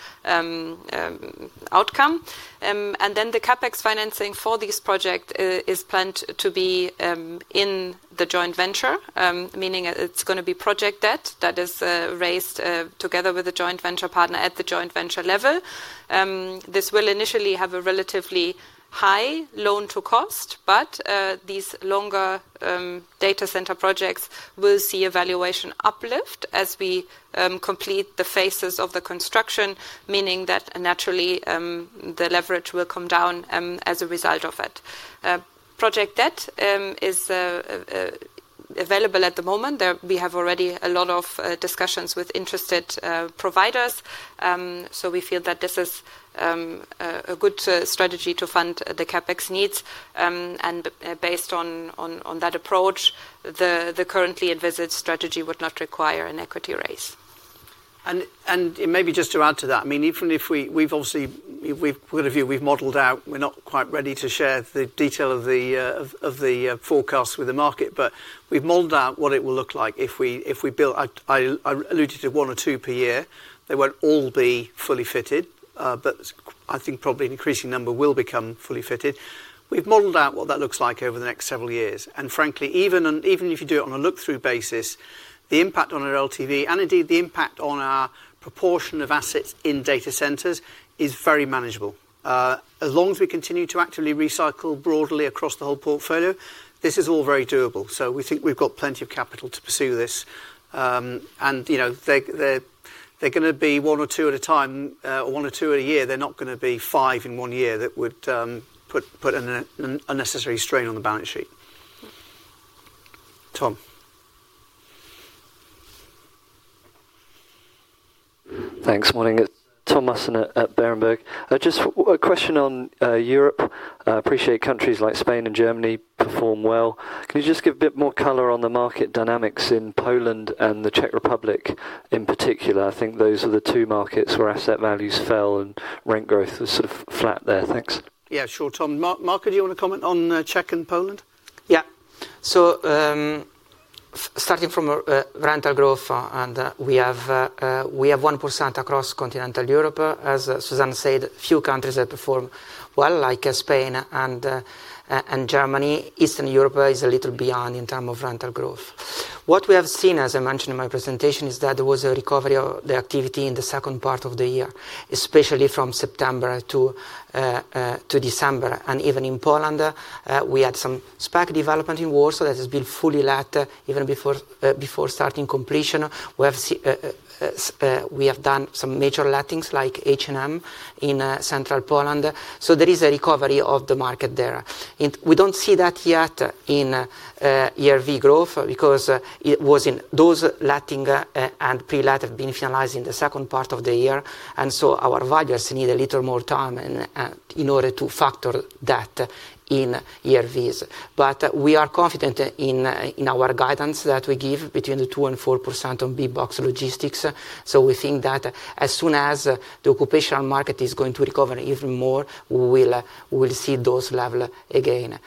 outcome. And then the CapEx financing for this project is planned to be in the joint venture, meaning it's gonna be project debt that is raised together with a joint venture partner at the joint venture level. This will initially have a relatively high loan to cost, but these longer data centre projects will see a valuation uplift as we complete the phases of the construction, meaning that naturally the leverage will come down as a result of it. Project debt is available at the moment. We have already a lot of discussions with interested providers. So we feel that this is a good strategy to fund the CapEx needs. Based on, on, on that approach, the, the currently envisaged strategy would not require an equity raise. And maybe just to add to that, I mean, even if we've obviously with a view, we've modeled out, we're not quite ready to share the detail of the forecast with the market, but we've modeled out what it will look like if we build. I alluded to one or two per year. They won't all be fully fitted, but I think probably an increasing number will become fully fitted. We've modeled out what that looks like over the next several years. And frankly, even if you do it on a look-through basis, the impact on our LTV, and indeed, the impact on our proportion of assets in data centres is very manageable. As long as we continue to actively recycle broadly across the whole portfolio, this is all very doable. We think we've got plenty of capital to pursue this. You know, they're gonna be one or two at a time, one or two a year. They're not gonna be five in one year. That would put an unnecessary strain on the balance sheet. Tom? Thanks. Morning. It's Tom Musson at Berenberg. Just a question on Europe. I appreciate countries like Spain and Germany perform well. Can you just give a bit more color on the market dynamics in Poland and the Czech Republic in particular? I think those are the two markets where asset values fell and rent growth was sort of flat there. Thanks. Yeah, sure, Tom. Marco, do you want to comment on Czech and Poland? Yeah. Starting from rental growth, we have 1% across Continental Europe. As Susanne said, few countries that perform well, like Spain and Germany. Eastern Europe is a little beyond in terms of rental growth. What we have seen, as I mentioned in my presentation, is that there was a recovery of the activity in the second part of the year, especially from September to December. Even in Poland, we had some spec development in Warsaw that has been fully let even before starting completion. We have done some major lettings like H&M in central Poland, so there is a recovery of the market there. We don't see that yet in ERV growth because it was in those letting and pre-let have been finalized in the second part of the year, and so our valuers need a little more time in order to factor that in ERVs. We are confident in our guidance that we give between 2%-4% on big box logistics. We think that as soon as the occupational market is going to recover even more, we'll see those level again....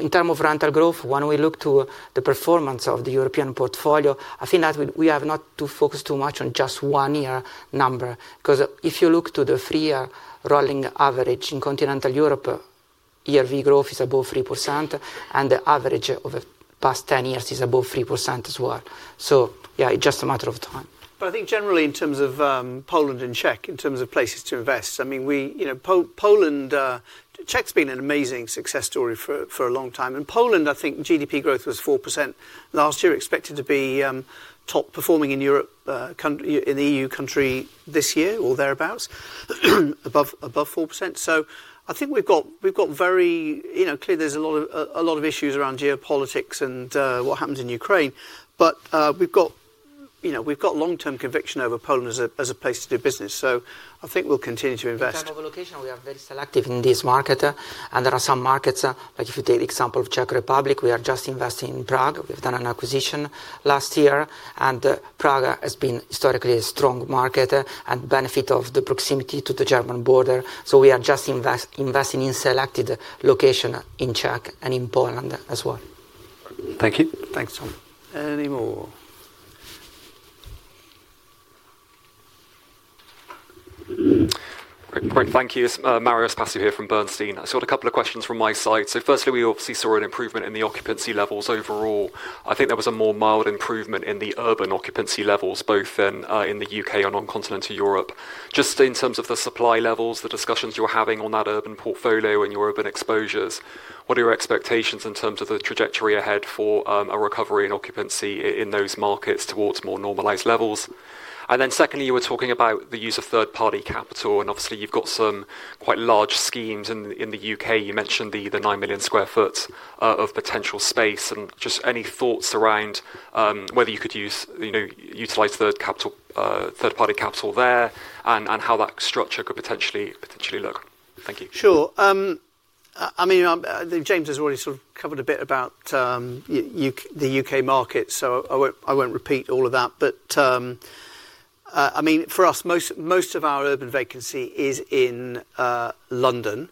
In terms of rental growth, when we look to the performance of the European portfolio, I think that we, we have not to focus too much on just one year number. 'Cause if you look to the three year rolling average in Continental Europe, ERV growth is above 3%, and the average over the past 10 years is above 3% as well. So yeah, it's just a matter of time. But I think generally in terms of, Poland and Czech, in terms of places to invest, I mean, we, you know, Poland, Czech's been an amazing success story for, for a long time. In Poland, I think GDP growth was 4% last year, expected to be, top performing in Europe, in the EU country this year or thereabout, above, above 4%. So I think we've got, we've got very... You know, clearly, there's a lot of, a lot of issues around geopolitics and, what happens in Ukraine. But, we've got, you know, we've got long-term conviction over Poland as a, as a place to do business, so I think we'll continue to invest. In terms of location, we are very selective in this market, and there are some markets, like if you take the example of Czech Republic, we are just investing in Prague. We've done an acquisition last year, and Prague has been historically a strong market, and benefit of the proximity to the German border. So we are just investing in selected location in Czech and in Poland as well. Thank you. Thanks, Tom. Any more? Great. Thank you. Marios Pastou here from Bernstein. I just got a couple of questions from my side. So firstly, we obviously saw an improvement in the occupancy levels overall. I think there was a more mild improvement in the urban occupancy levels, both in the U.K. and on Continental Europe. Just in terms of the supply levels, the discussions you're having on that urban portfolio and your urban exposures, what are your expectations in terms of the trajectory ahead for a recovery in occupancy in those markets towards more normalized levels? And then secondly, you were talking about the use of third-party capital, and obviously, you've got some quite large schemes in the U.K.. You mentioned the 9 million sq ft of potential space. Just any thoughts around whether you could use, you know, utilize third capital, third-party capital there, and how that structure could potentially look? Thank you. Sure. I mean, James has already sort of covered a bit about the U.K., the U.K. market, so I won't, I won't repeat all of that. I mean, for us, most, most of our urban vacancy is in London.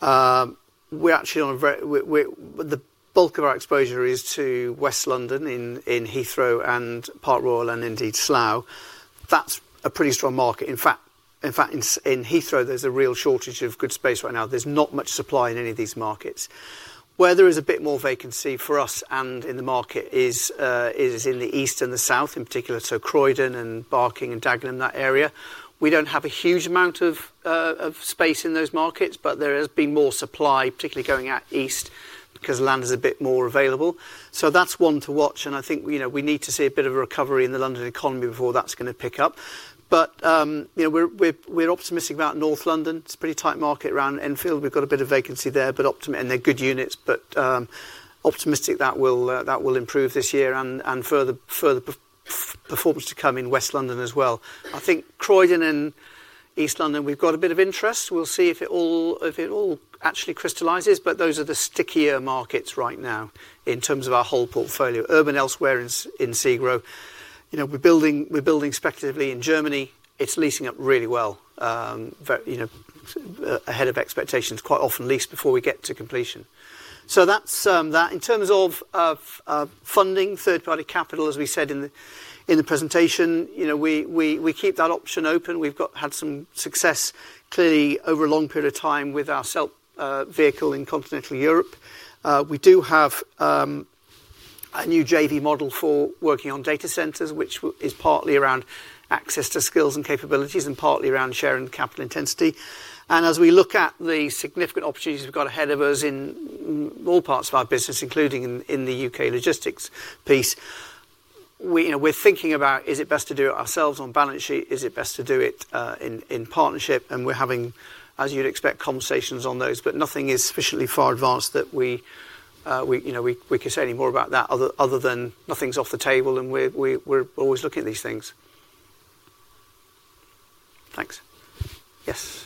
We're actually on a very... We, we—the bulk of our exposure is to West London, in Heathrow and Park Royal, and indeed, Slough. That's a pretty strong market. In fact, in Heathrow, there's a real shortage of good space right now. There's not much supply in any of these markets. Where there is a bit more vacancy for us and in the market is in the east and the south, in particular, so Croydon and Barking and Dagenham, that area. We don't have a huge amount of space in those markets, but there has been more supply, particularly going out east, because land is a bit more available. So that's one to watch, and I think, you know, we need to see a bit of a recovery in the London economy before that's gonna pick up. But, you know, we're optimistic about North London. It's a pretty tight market around Enfield. We've got a bit of vacancy there, but optimistic and they're good units, but optimistic that will improve this year and further performance to come in West London as well. I think Croydon and East London, we've got a bit of interest. We'll see if it all actually crystallizes, but those are the stickier markets right now in terms of our whole portfolio. Urban elsewhere in SEGRO, you know, we're building speculatively in Germany. It's leasing up really well, you know, ahead of expectations, quite often leased before we get to completion. So that's that. In terms of funding, third-party capital, as we said in the presentation, you know, we keep that option open. We've had some success, clearly, over a long period of time with our SELP vehicle in Continental Europe. We do have a new JV model for working on data centres, which is partly around access to skills and capabilities and partly around sharing capital intensity. As we look at the significant opportunities we've got ahead of us in all parts of our business, including in the U.K. logistics piece, we, you know, we're thinking about: is it best to do it ourselves on balance sheet? Is it best to do it in partnership? And we're having, as you'd expect, conversations on those, but nothing is sufficiently far advanced that we, you know, could say any more about that other than nothing's off the table, and we're always looking at these things. Thanks. Yes.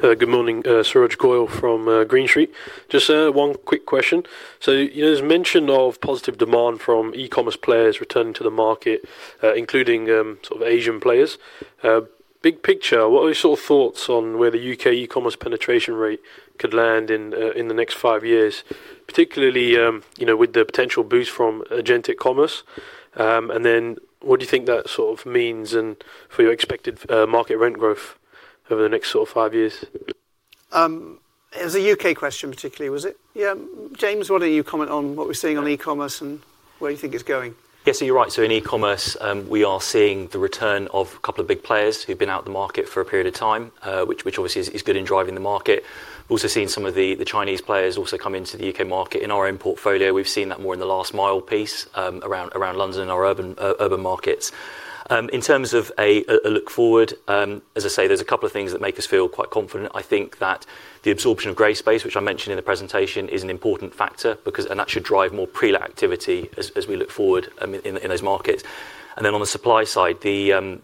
Good morning. Suraj Goyal from Green Street. Just one quick question. There's mention of positive demand from e-commerce players returning to the market, including sort of Asian players. Big picture, what are your sort of thoughts on where the U.K. e-commerce penetration rate could land in the next five years, particularly, you know, with the potential boost from agentic commerce? What do you think that sort of means for your expected market rent growth over the next five years? It was a U.K. question, particularly, was it? Yeah. James, why don't you comment on what we're seeing on e-commerce and where you think it's going? Yes, you're right. In e-commerce, we are seeing the return of a couple of big players who've been out in the market for a period of time, which obviously is good in driving the market. We've also seen some of the Chinese players come into the U.K. market. In our own portfolio, we've seen that more in the last mile piece, around London, in our urban markets. In terms of a look forward, I think there are a couple of things that make us feel quite confident. I think that the absorption of grey space, which I mentioned in the presentation, is an important factor because that should drive more pre-let activity as we look forward in those markets. On the supply side, you—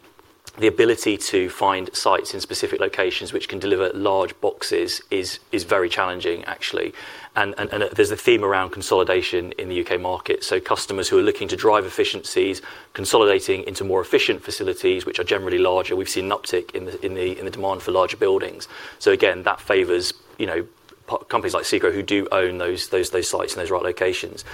The ability to find sites in specific locations which can deliver large boxes is very challenging actually. And there's a theme around consolidation in the U.K. market. So customers who are looking to drive efficiencies, consolidating into more efficient facilities, which are generally larger. We've seen an uptick in the demand for larger buildings. So again, that favors, you know, companies like SEGRO who do own those sites and those right locations.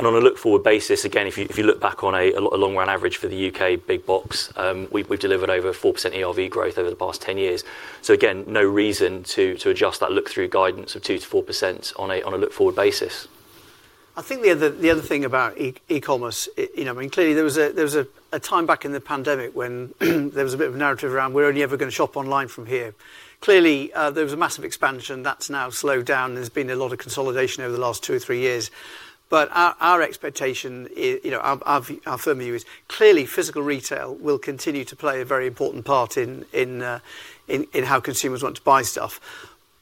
And on a look-forward basis, again, if you look back on a long-run average for the U.K. big box, we've delivered over 4% ERV growth over the past 10 years. So again, no reason to adjust that look-through guidance of 2%-4% on a look-forward basis. I think the other thing about e-commerce, you know, I mean, clearly, there was a time back in the pandemic when there was a bit of a narrative around we're only ever going to shop online from here. Clearly, there was a massive expansion that's now slowed down. There's been a lot of consolidation over the last two or three years. But our expectation is, you know, our firm view is clearly, physical retail will continue to play a very important part in how consumers want to buy stuff.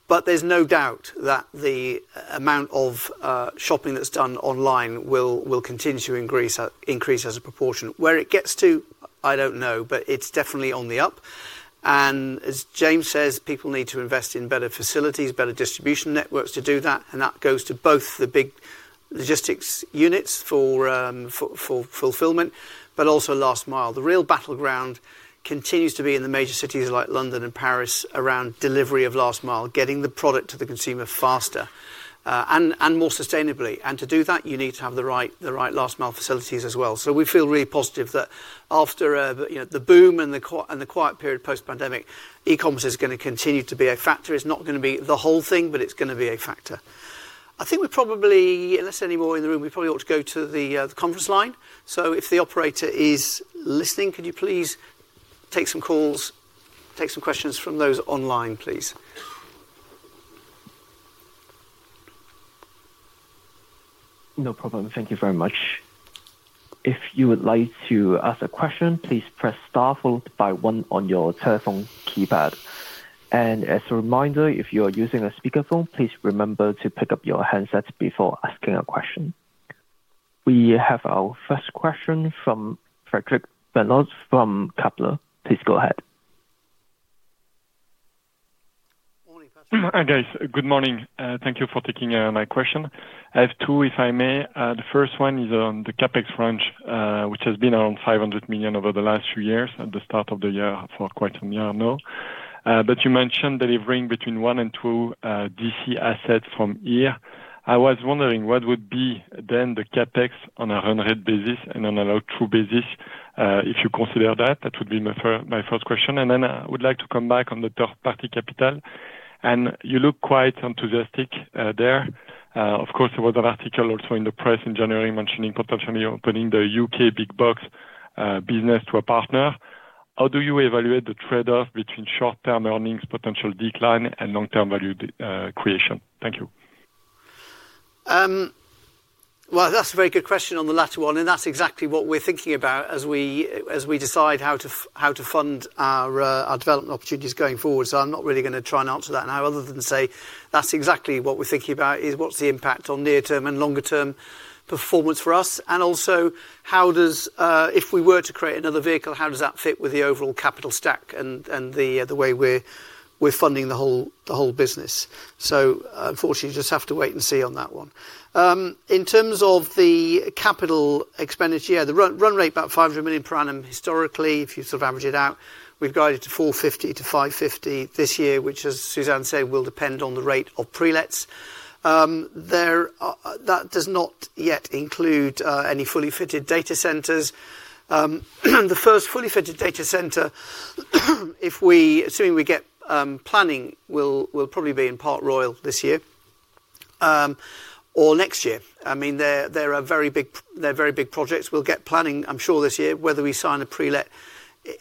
But there's no doubt that the amount of shopping that's done online will continue to increase as a proportion. Where it gets to, I don't know, but it's definitely on the up. As James says, people need to invest in better facilities, better distribution networks to do that, and that goes to both the big logistics units for fulfilment, but also last mile. The real battleground continues to be in the major cities like London and Paris, around delivery of last mile, getting the product to the consumer faster, and more sustainably. To do that, you need to have the right last mile facilities as well. We feel really positive that after, you know, the boom and the quiet period post-pandemic, e-commerce is gonna continue to be a factor. It's not gonna be the whole thing, but it's gonna be a factor. I think we probably, unless any more in the room, we probably ought to go to the conference line. If the operator is listening, could you please take some calls, take some questions from those online, please? No problem. Thank you very much. If you would like to ask a question, please press star followed by one on your telephone keypad. As a reminder, if you are using a speakerphone, please remember to pick up your handsets before asking a question. We have our first question from Frederic Renard from Kepler Cheuvreux. Please go ahead. Hi, guys. Good morning, thank you for taking my question. I have two, if I may. The first one is on the CapEx range, which has been around 500 million over the last few years, at the start of the year for quite some year now. You mentioned delivering between one and two D.C. assets from here. I was wondering what would be then the CapEx on a hundred basis and on a true basis, if you consider that? That would be my first question, and then I would like to come back on the third-party capital. You look quite enthusiastic there. Of course, there was an article also in the press in January, mentioning potentially opening the U.K. big box business to a partner. How do you evaluate the trade-off between short-term earnings, potential decline, and long-term value, creation? Thank you. Well, that's a very good question on the latter one, and that's exactly what we're thinking about as we decide how to fund our development opportunities going forward. So I'm not really gonna try and answer that now, other than say that's exactly what we're thinking about, is what's the impact on near-term and longer-term performance for us, and also how does, if we were to create another vehicle, how does that fit with the overall capital stack and the way we're funding the whole business? So, unfortunately, you just have to wait and see on that one. In terms of the capital expenditure, yeah, the run rate, about 500 million per annum, historically, if you sort of average it out. We've guided to 450-550 million this year, which, as Susanne said, will depend on the rate of pre-lets. There are... That does not yet include any fully fitted data centres. The first fully fitted data centre, if we, assuming we get planning, will probably be in Park Royal this year, or next year. I mean, they're a very big, they're very big projects. We'll get planning, I'm sure this year, whether we sign a prelet.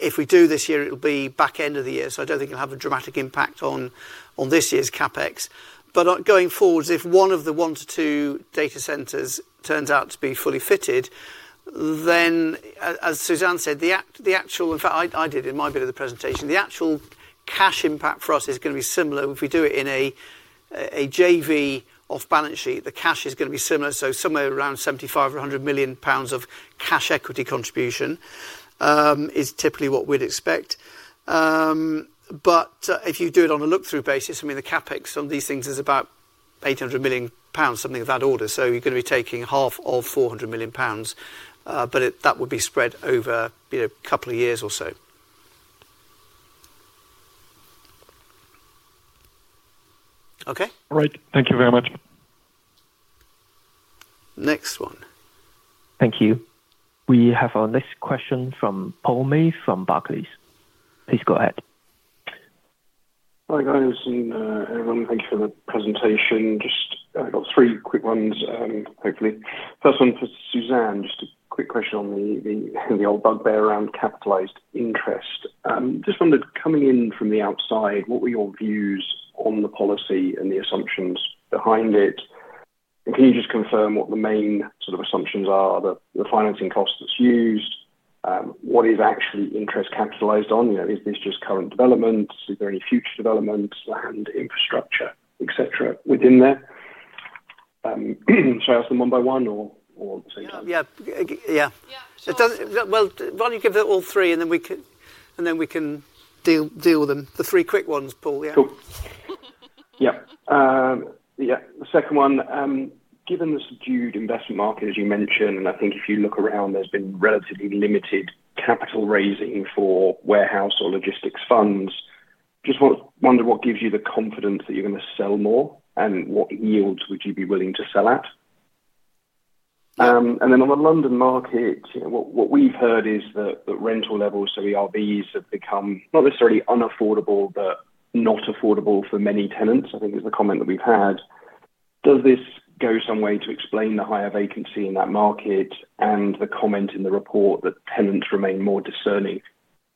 If we do this year, it'll be back end of the year, so I don't think it'll have a dramatic impact on this year's CapEx. But, going forwards, if one of the 1-2 data centres turns out to be fully fitted, then as Susanne said, the act- the actual... In fact, I did in my bit of the presentation, the actual cash impact for us is gonna be similar. If we do it in a JV off balance sheet, the cash is gonna be similar. So somewhere around 75 million or 100 million pounds of cash equity contribution is typically what we'd expect. But if you do it on a look-through basis, I mean, the CapEx on these things is about 800 million pounds, something of that order. So you're gonna be taking half of 400 million pounds, but it- that would be spread over, you know, a couple of years or so. Okay? All right. Thank you very much. Next one. Thank you. We have our next question from Paul May from Barclays. Please go ahead. Hi, guys, and everyone. Thank you for the presentation. Just, I've got three quick ones, hopefully. First one for Susanne, just a quick question on the old bugbear around capitalized interest. Just wondered, coming in from the outside, what were your views on the policy and the assumptions behind it? And can you just confirm what the main sort of assumptions are, the financing costs that's used? What is actually interest capitalized on? You know, is this just current developments? Is there any future developments, land infrastructure, et cetera, within there? Shall I ask them one by one or two times? Yeah, yeah. Yeah. It does—well, why don't you give it all three, and then we can, and then we can deal with them, the three quick ones, Paul? Yeah. Cool. Yeah. Yeah, the second one, given the subdued investment market, as you mentioned, I think if you look around, there's been relatively limited capital raising for warehouse or logistics funds. Just want to wonder what gives you the confidence that you're gonna sell more, and what yields would you be willing to sell at? Then on the London market, what we've heard is that the rental levels, so ERVs, have become not necessarily unaffordable, but not affordable for many tenants, I think is the comment that we've had. Does this go some way to explain the higher vacancy in that market and the comment in the report that tenants remain more discerning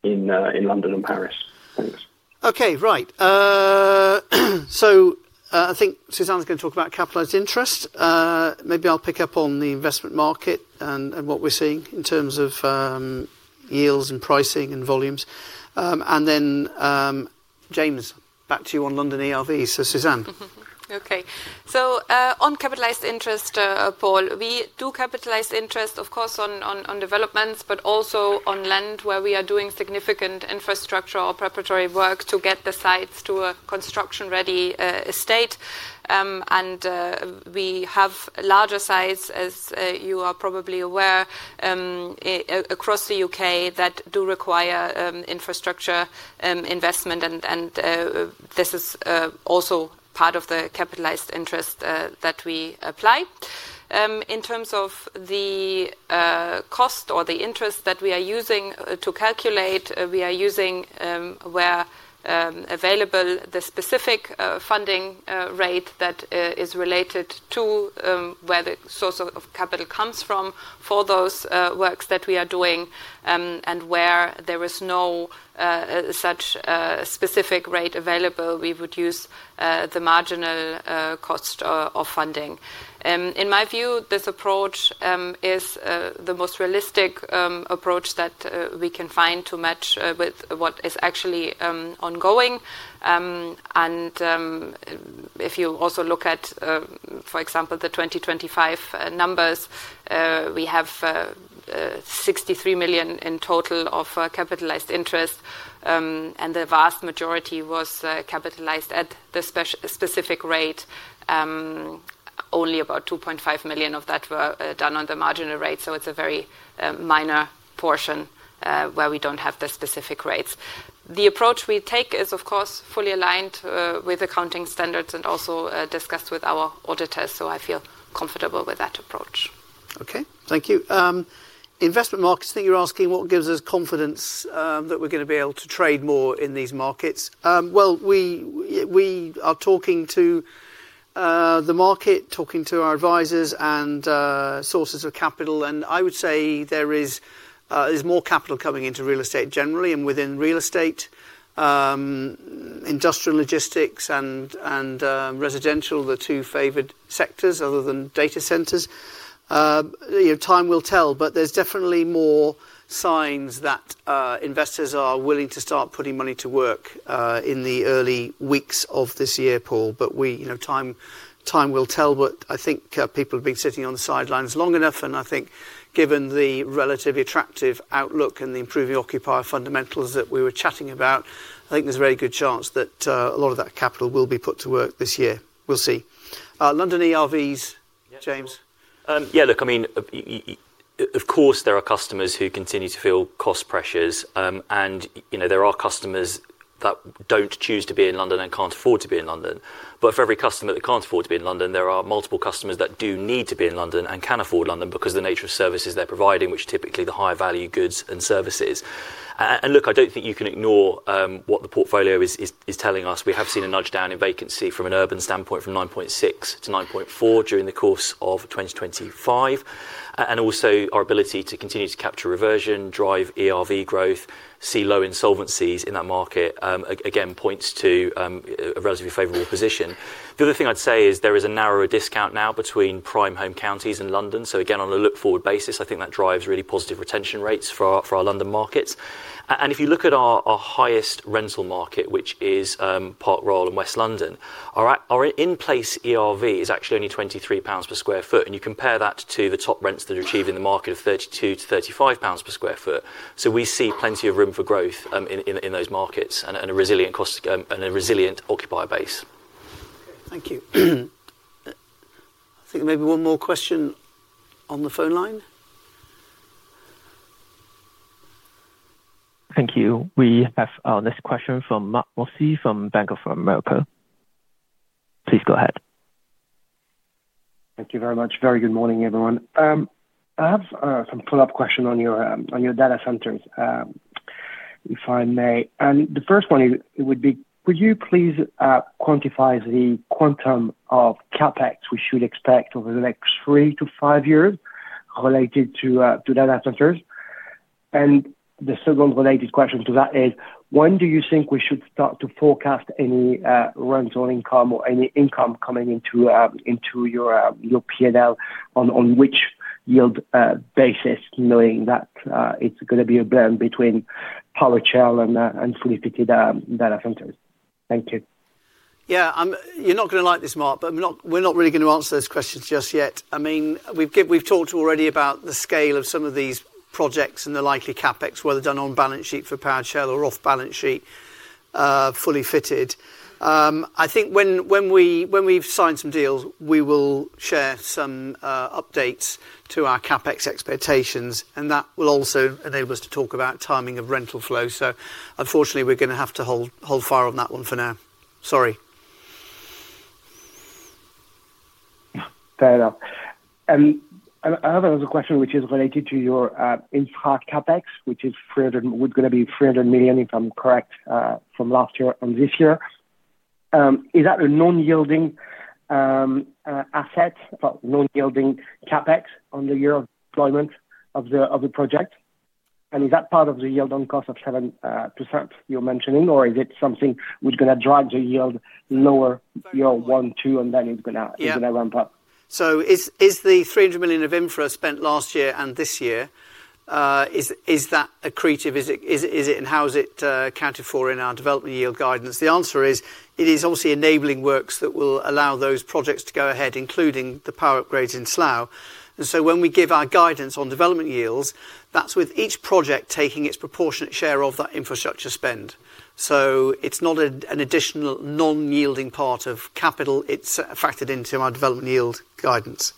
in, you know, in London and Paris? Thanks. Okay. Right. I think Susanne is gonna talk about capitalized interest. Maybe I'll pick up on the investment market and what we're seeing in terms of yields and pricing and volumes. Then, James, back to you on London ERV. Susanne. Okay. On capitalized interest, Paul, we do capitalize interest, of course, on developments, but also on land where we are doing significant infrastructure or preparatory work to get the sites to a construction-ready estate. We have larger sites, as you are probably aware, across the U.K., that do require infrastructure investment, and this is also part of the capitalized interest that we apply. In terms of the cost or the interest that we are using to calculate, we are using, where available, the specific funding rate that is related to where the source of capital comes from for those works that we are doing. And where there is no such specific rate available, we would use the marginal cost of funding. In my view, this approach is the most realistic approach that we can find to match with what is actually ongoing. And if you also look at, for example, the 2025 numbers, we have 63 million in total of capitalized interest, and the vast majority was capitalized at the specific rate. Only about 2.5 million of that were done on the marginal rate, so it's a very minor portion where we don't have the specific rates. The approach we take is, of course, fully aligned with accounting standards and also discussed with our auditors, so I feel comfortable with that approach. Okay. Thank you. Investment markets, I think you're asking what gives us confidence that we're gonna be able to trade more in these markets. Well, we are talking to the market, talking to our advisors and sources of capital, and I would say there's more capital coming into real estate generally and within real estate, industrial logistics and residential, the two favored sectors other than data centres. You know, time will tell, but there's definitely more signs that investors are willing to start putting money to work in the early weeks of this year, Paul, but we... You know, time, time will tell, but I think, people have been sitting on the sidelines long enough, and I think given the relatively attractive outlook and the improving occupier fundamentals that we were chatting about, I think there's a very good chance that, a lot of that capital will be put to work this year. We'll see. London ERVs, James? Yeah. Yeah, look, I mean, of course, there are customers who continue to feel cost pressures, and, you know, there are customers that don't choose to be in London and can't afford to be in London. But for every customer that can't afford to be in London, there are multiple customers that do need to be in London and can afford London because the nature of services they're providing, which are typically the higher value goods and services. And look, I don't think you can ignore what the portfolio is telling us. We have seen a nudge down in vacancy from an urban standpoint, from 9.6 to 9.4 during the course of 2025. And also, our ability to continue to capture reversion, drive ERV growth, see low insolvencies in that market, again, points to a relatively favorable position. The other thing I'd say is there is a narrower discount now between prime home counties in London. So again, on a look-forward basis, I think that drives really positive retention rates for our London markets. And if you look at our highest rental market, which is Park Royal in West London, our in-place ERV is actually only 23 pounds per sq ft, and you compare that to the top rents that are achieved in the market of 32-35 pounds per sq ft. So we see plenty of room for growth in those markets and a resilient cost and a resilient occupier base. Thank you. I think maybe one more question on the phone line. Thank you. We have our next question from Marc Mozzi, from Bank of America. Please go ahead. Thank you very much. Very good morning, everyone. I have some follow-up question on your data centres, if I may. The first one is, could you please quantify the quantum of CapEx we should expect over the next three to five years related to data centres? The second related question to that is, when do you think we should start to forecast any rental income or any income coming into your P&L, on which yield basis, knowing that it's gonna be a blend between-... powered shell and fully fitted data centres. Thank you. Yeah, you're not gonna like this, Mark, but we're not really going to answer those questions just yet. I mean, we've talked already about the scale of some of these projects and the likely CapEx, whether done on balance sheet for powered shell or off balance sheet, fully fitted. I think when we've signed some deals, we will share some updates to our CapEx expectations, and that will also enable us to talk about timing of rental flow. So unfortunately, we're gonna have to hold fire on that one for now. Sorry. Fair enough. I have another question, which is related to your, infra CapEx, which is three hundred... was gonna be 300 million, if I'm correct, from last year and this year. Is that a non-yielding asset, but non-yielding CapEx on the year of deployment of the, of the project? And is that part of the yield on cost of 7% you're mentioning, or is it something which is gonna drive the yield lower year one, two, and then it's gonna- Yeah. it's gonna ramp up? So is the 300 million of infra spent last year and this year, is that accretive? Is it, and how is it accounted for in our development yield guidance? The answer is, it is obviously enabling works that will allow those projects to go ahead, including the power upgrades in Slough. And so when we give our guidance on development yields, that's with each project taking its proportionate share of that infrastructure spend. So it's not an additional non-yielding part of capital. It's factored into our development yield guidance.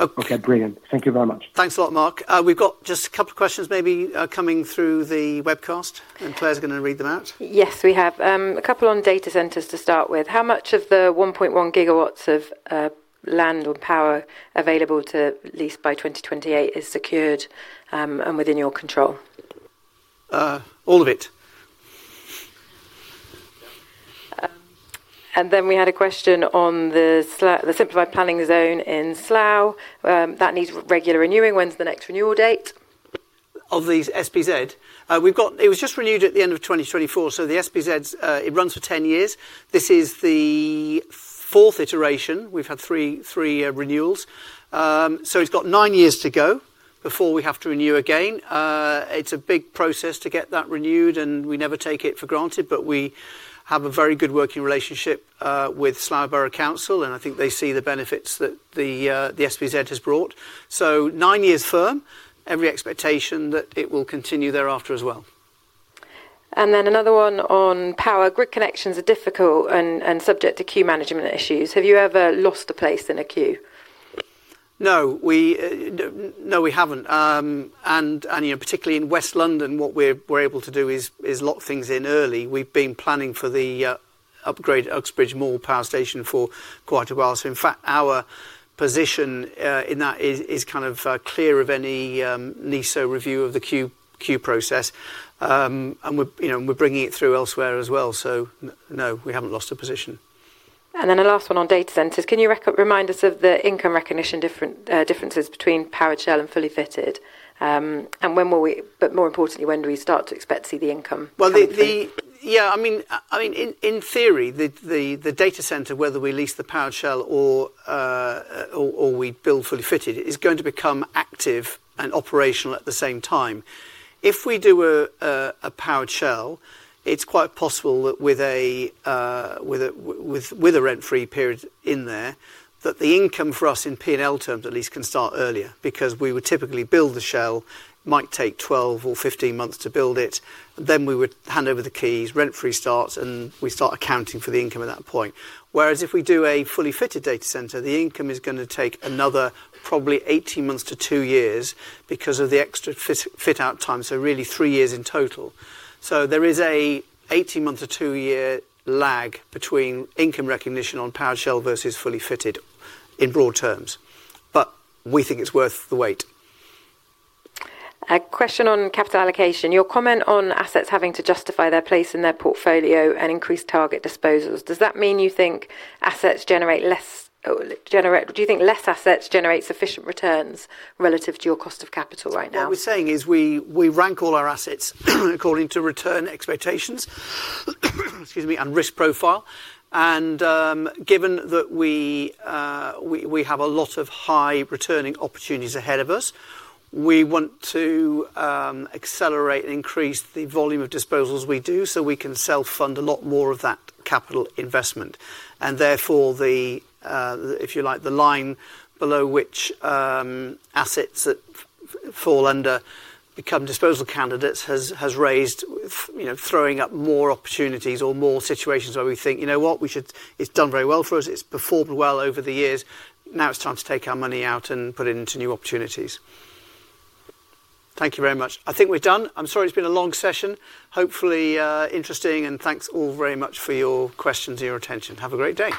Okay, brilliant. Thank you very much. Thanks a lot, Mark. We've got just a couple of questions maybe, coming through the webcast, and Claire's gonna read them out. Yes, we have. A couple on data centres to start with. How much of the 1.1 GW of land or power available to lease by 2028 is secured and within your control? All of it. We had a question on the Slough, the simplified planning zone in Slough. That needs regular renewing. When's the next renewal date? Of the SPZ? We've got... It was just renewed at the end of 2024, so the SPZ, it runs for 10 years. This is the fourth iteration. We've had three renewals. So it's got nine years to go before we have to renew again. It's a big process to get that renewed, and we never take it for granted, but we have a very good working relationship with Slough Borough Council, and I think they see the benefits that the SPZ has brought. So nine years firm, every expectation that it will continue thereafter as well. Another one on power. Grid connections are difficult and subject to queue management issues. Have you ever lost a place in a queue? No, we haven't. And, you know, particularly in West London, what we're able to do is lock things in early. We've been planning for the upgrade at Uxbridge Moor Power Station for quite a while. So in fact, our position in that is kind of clear of any NESO review of the queue process. And we're, you know, we're bringing it through elsewhere as well, so no, we haven't lost a position. Then the last one on data centres. Can you remind us of the income recognition differences between powered shell and fully fitted? And when will we... But more importantly, when do we start to expect to see the income coming through? Well, yeah, I mean, in theory, the data centre, whether we lease the powered shell or we build fully fitted, is going to become active and operational at the same time. If we do a powered shell, it's quite possible that with a rent-free period in there, that the income for us in P&L terms at least can start earlier, because we would typically build the shell, might take 12 or 15 months to build it, then we would hand over the keys, rent-free starts, and we start accounting for the income at that point. Whereas if we do a fully fitted data centre, the income is gonna take another probably 18 months to two years because of the extra fit-out time, so really three years in total. There is an 18-month to two year lag between income recognition on powered shell versus fully fitted in broad terms, but we think it's worth the wait. A question on capital allocation. Your comment on assets having to justify their place in their portfolio and increase target disposals, does that mean you think assets generate less? Do you think less assets generate sufficient returns relative to your cost of capital right now? What we're saying is we rank all our assets according to return expectations, excuse me, and risk profile. And given that we have a lot of high returning opportunities ahead of us, we want to accelerate and increase the volume of disposals we do, so we can self-fund a lot more of that capital investment. And therefore, the if you like, the line below which assets that fall under become disposal candidates has raised, you know, throwing up more opportunities or more situations where we think, "You know what? We should-- It's done very well for us. It's performed well over the years. Now it's time to take our money out and put it into new opportunities." Thank you very much. I think we're done. I'm sorry it's been a long session. Hopefully, interesting, and thanks all very much for your questions and your attention. Have a great day.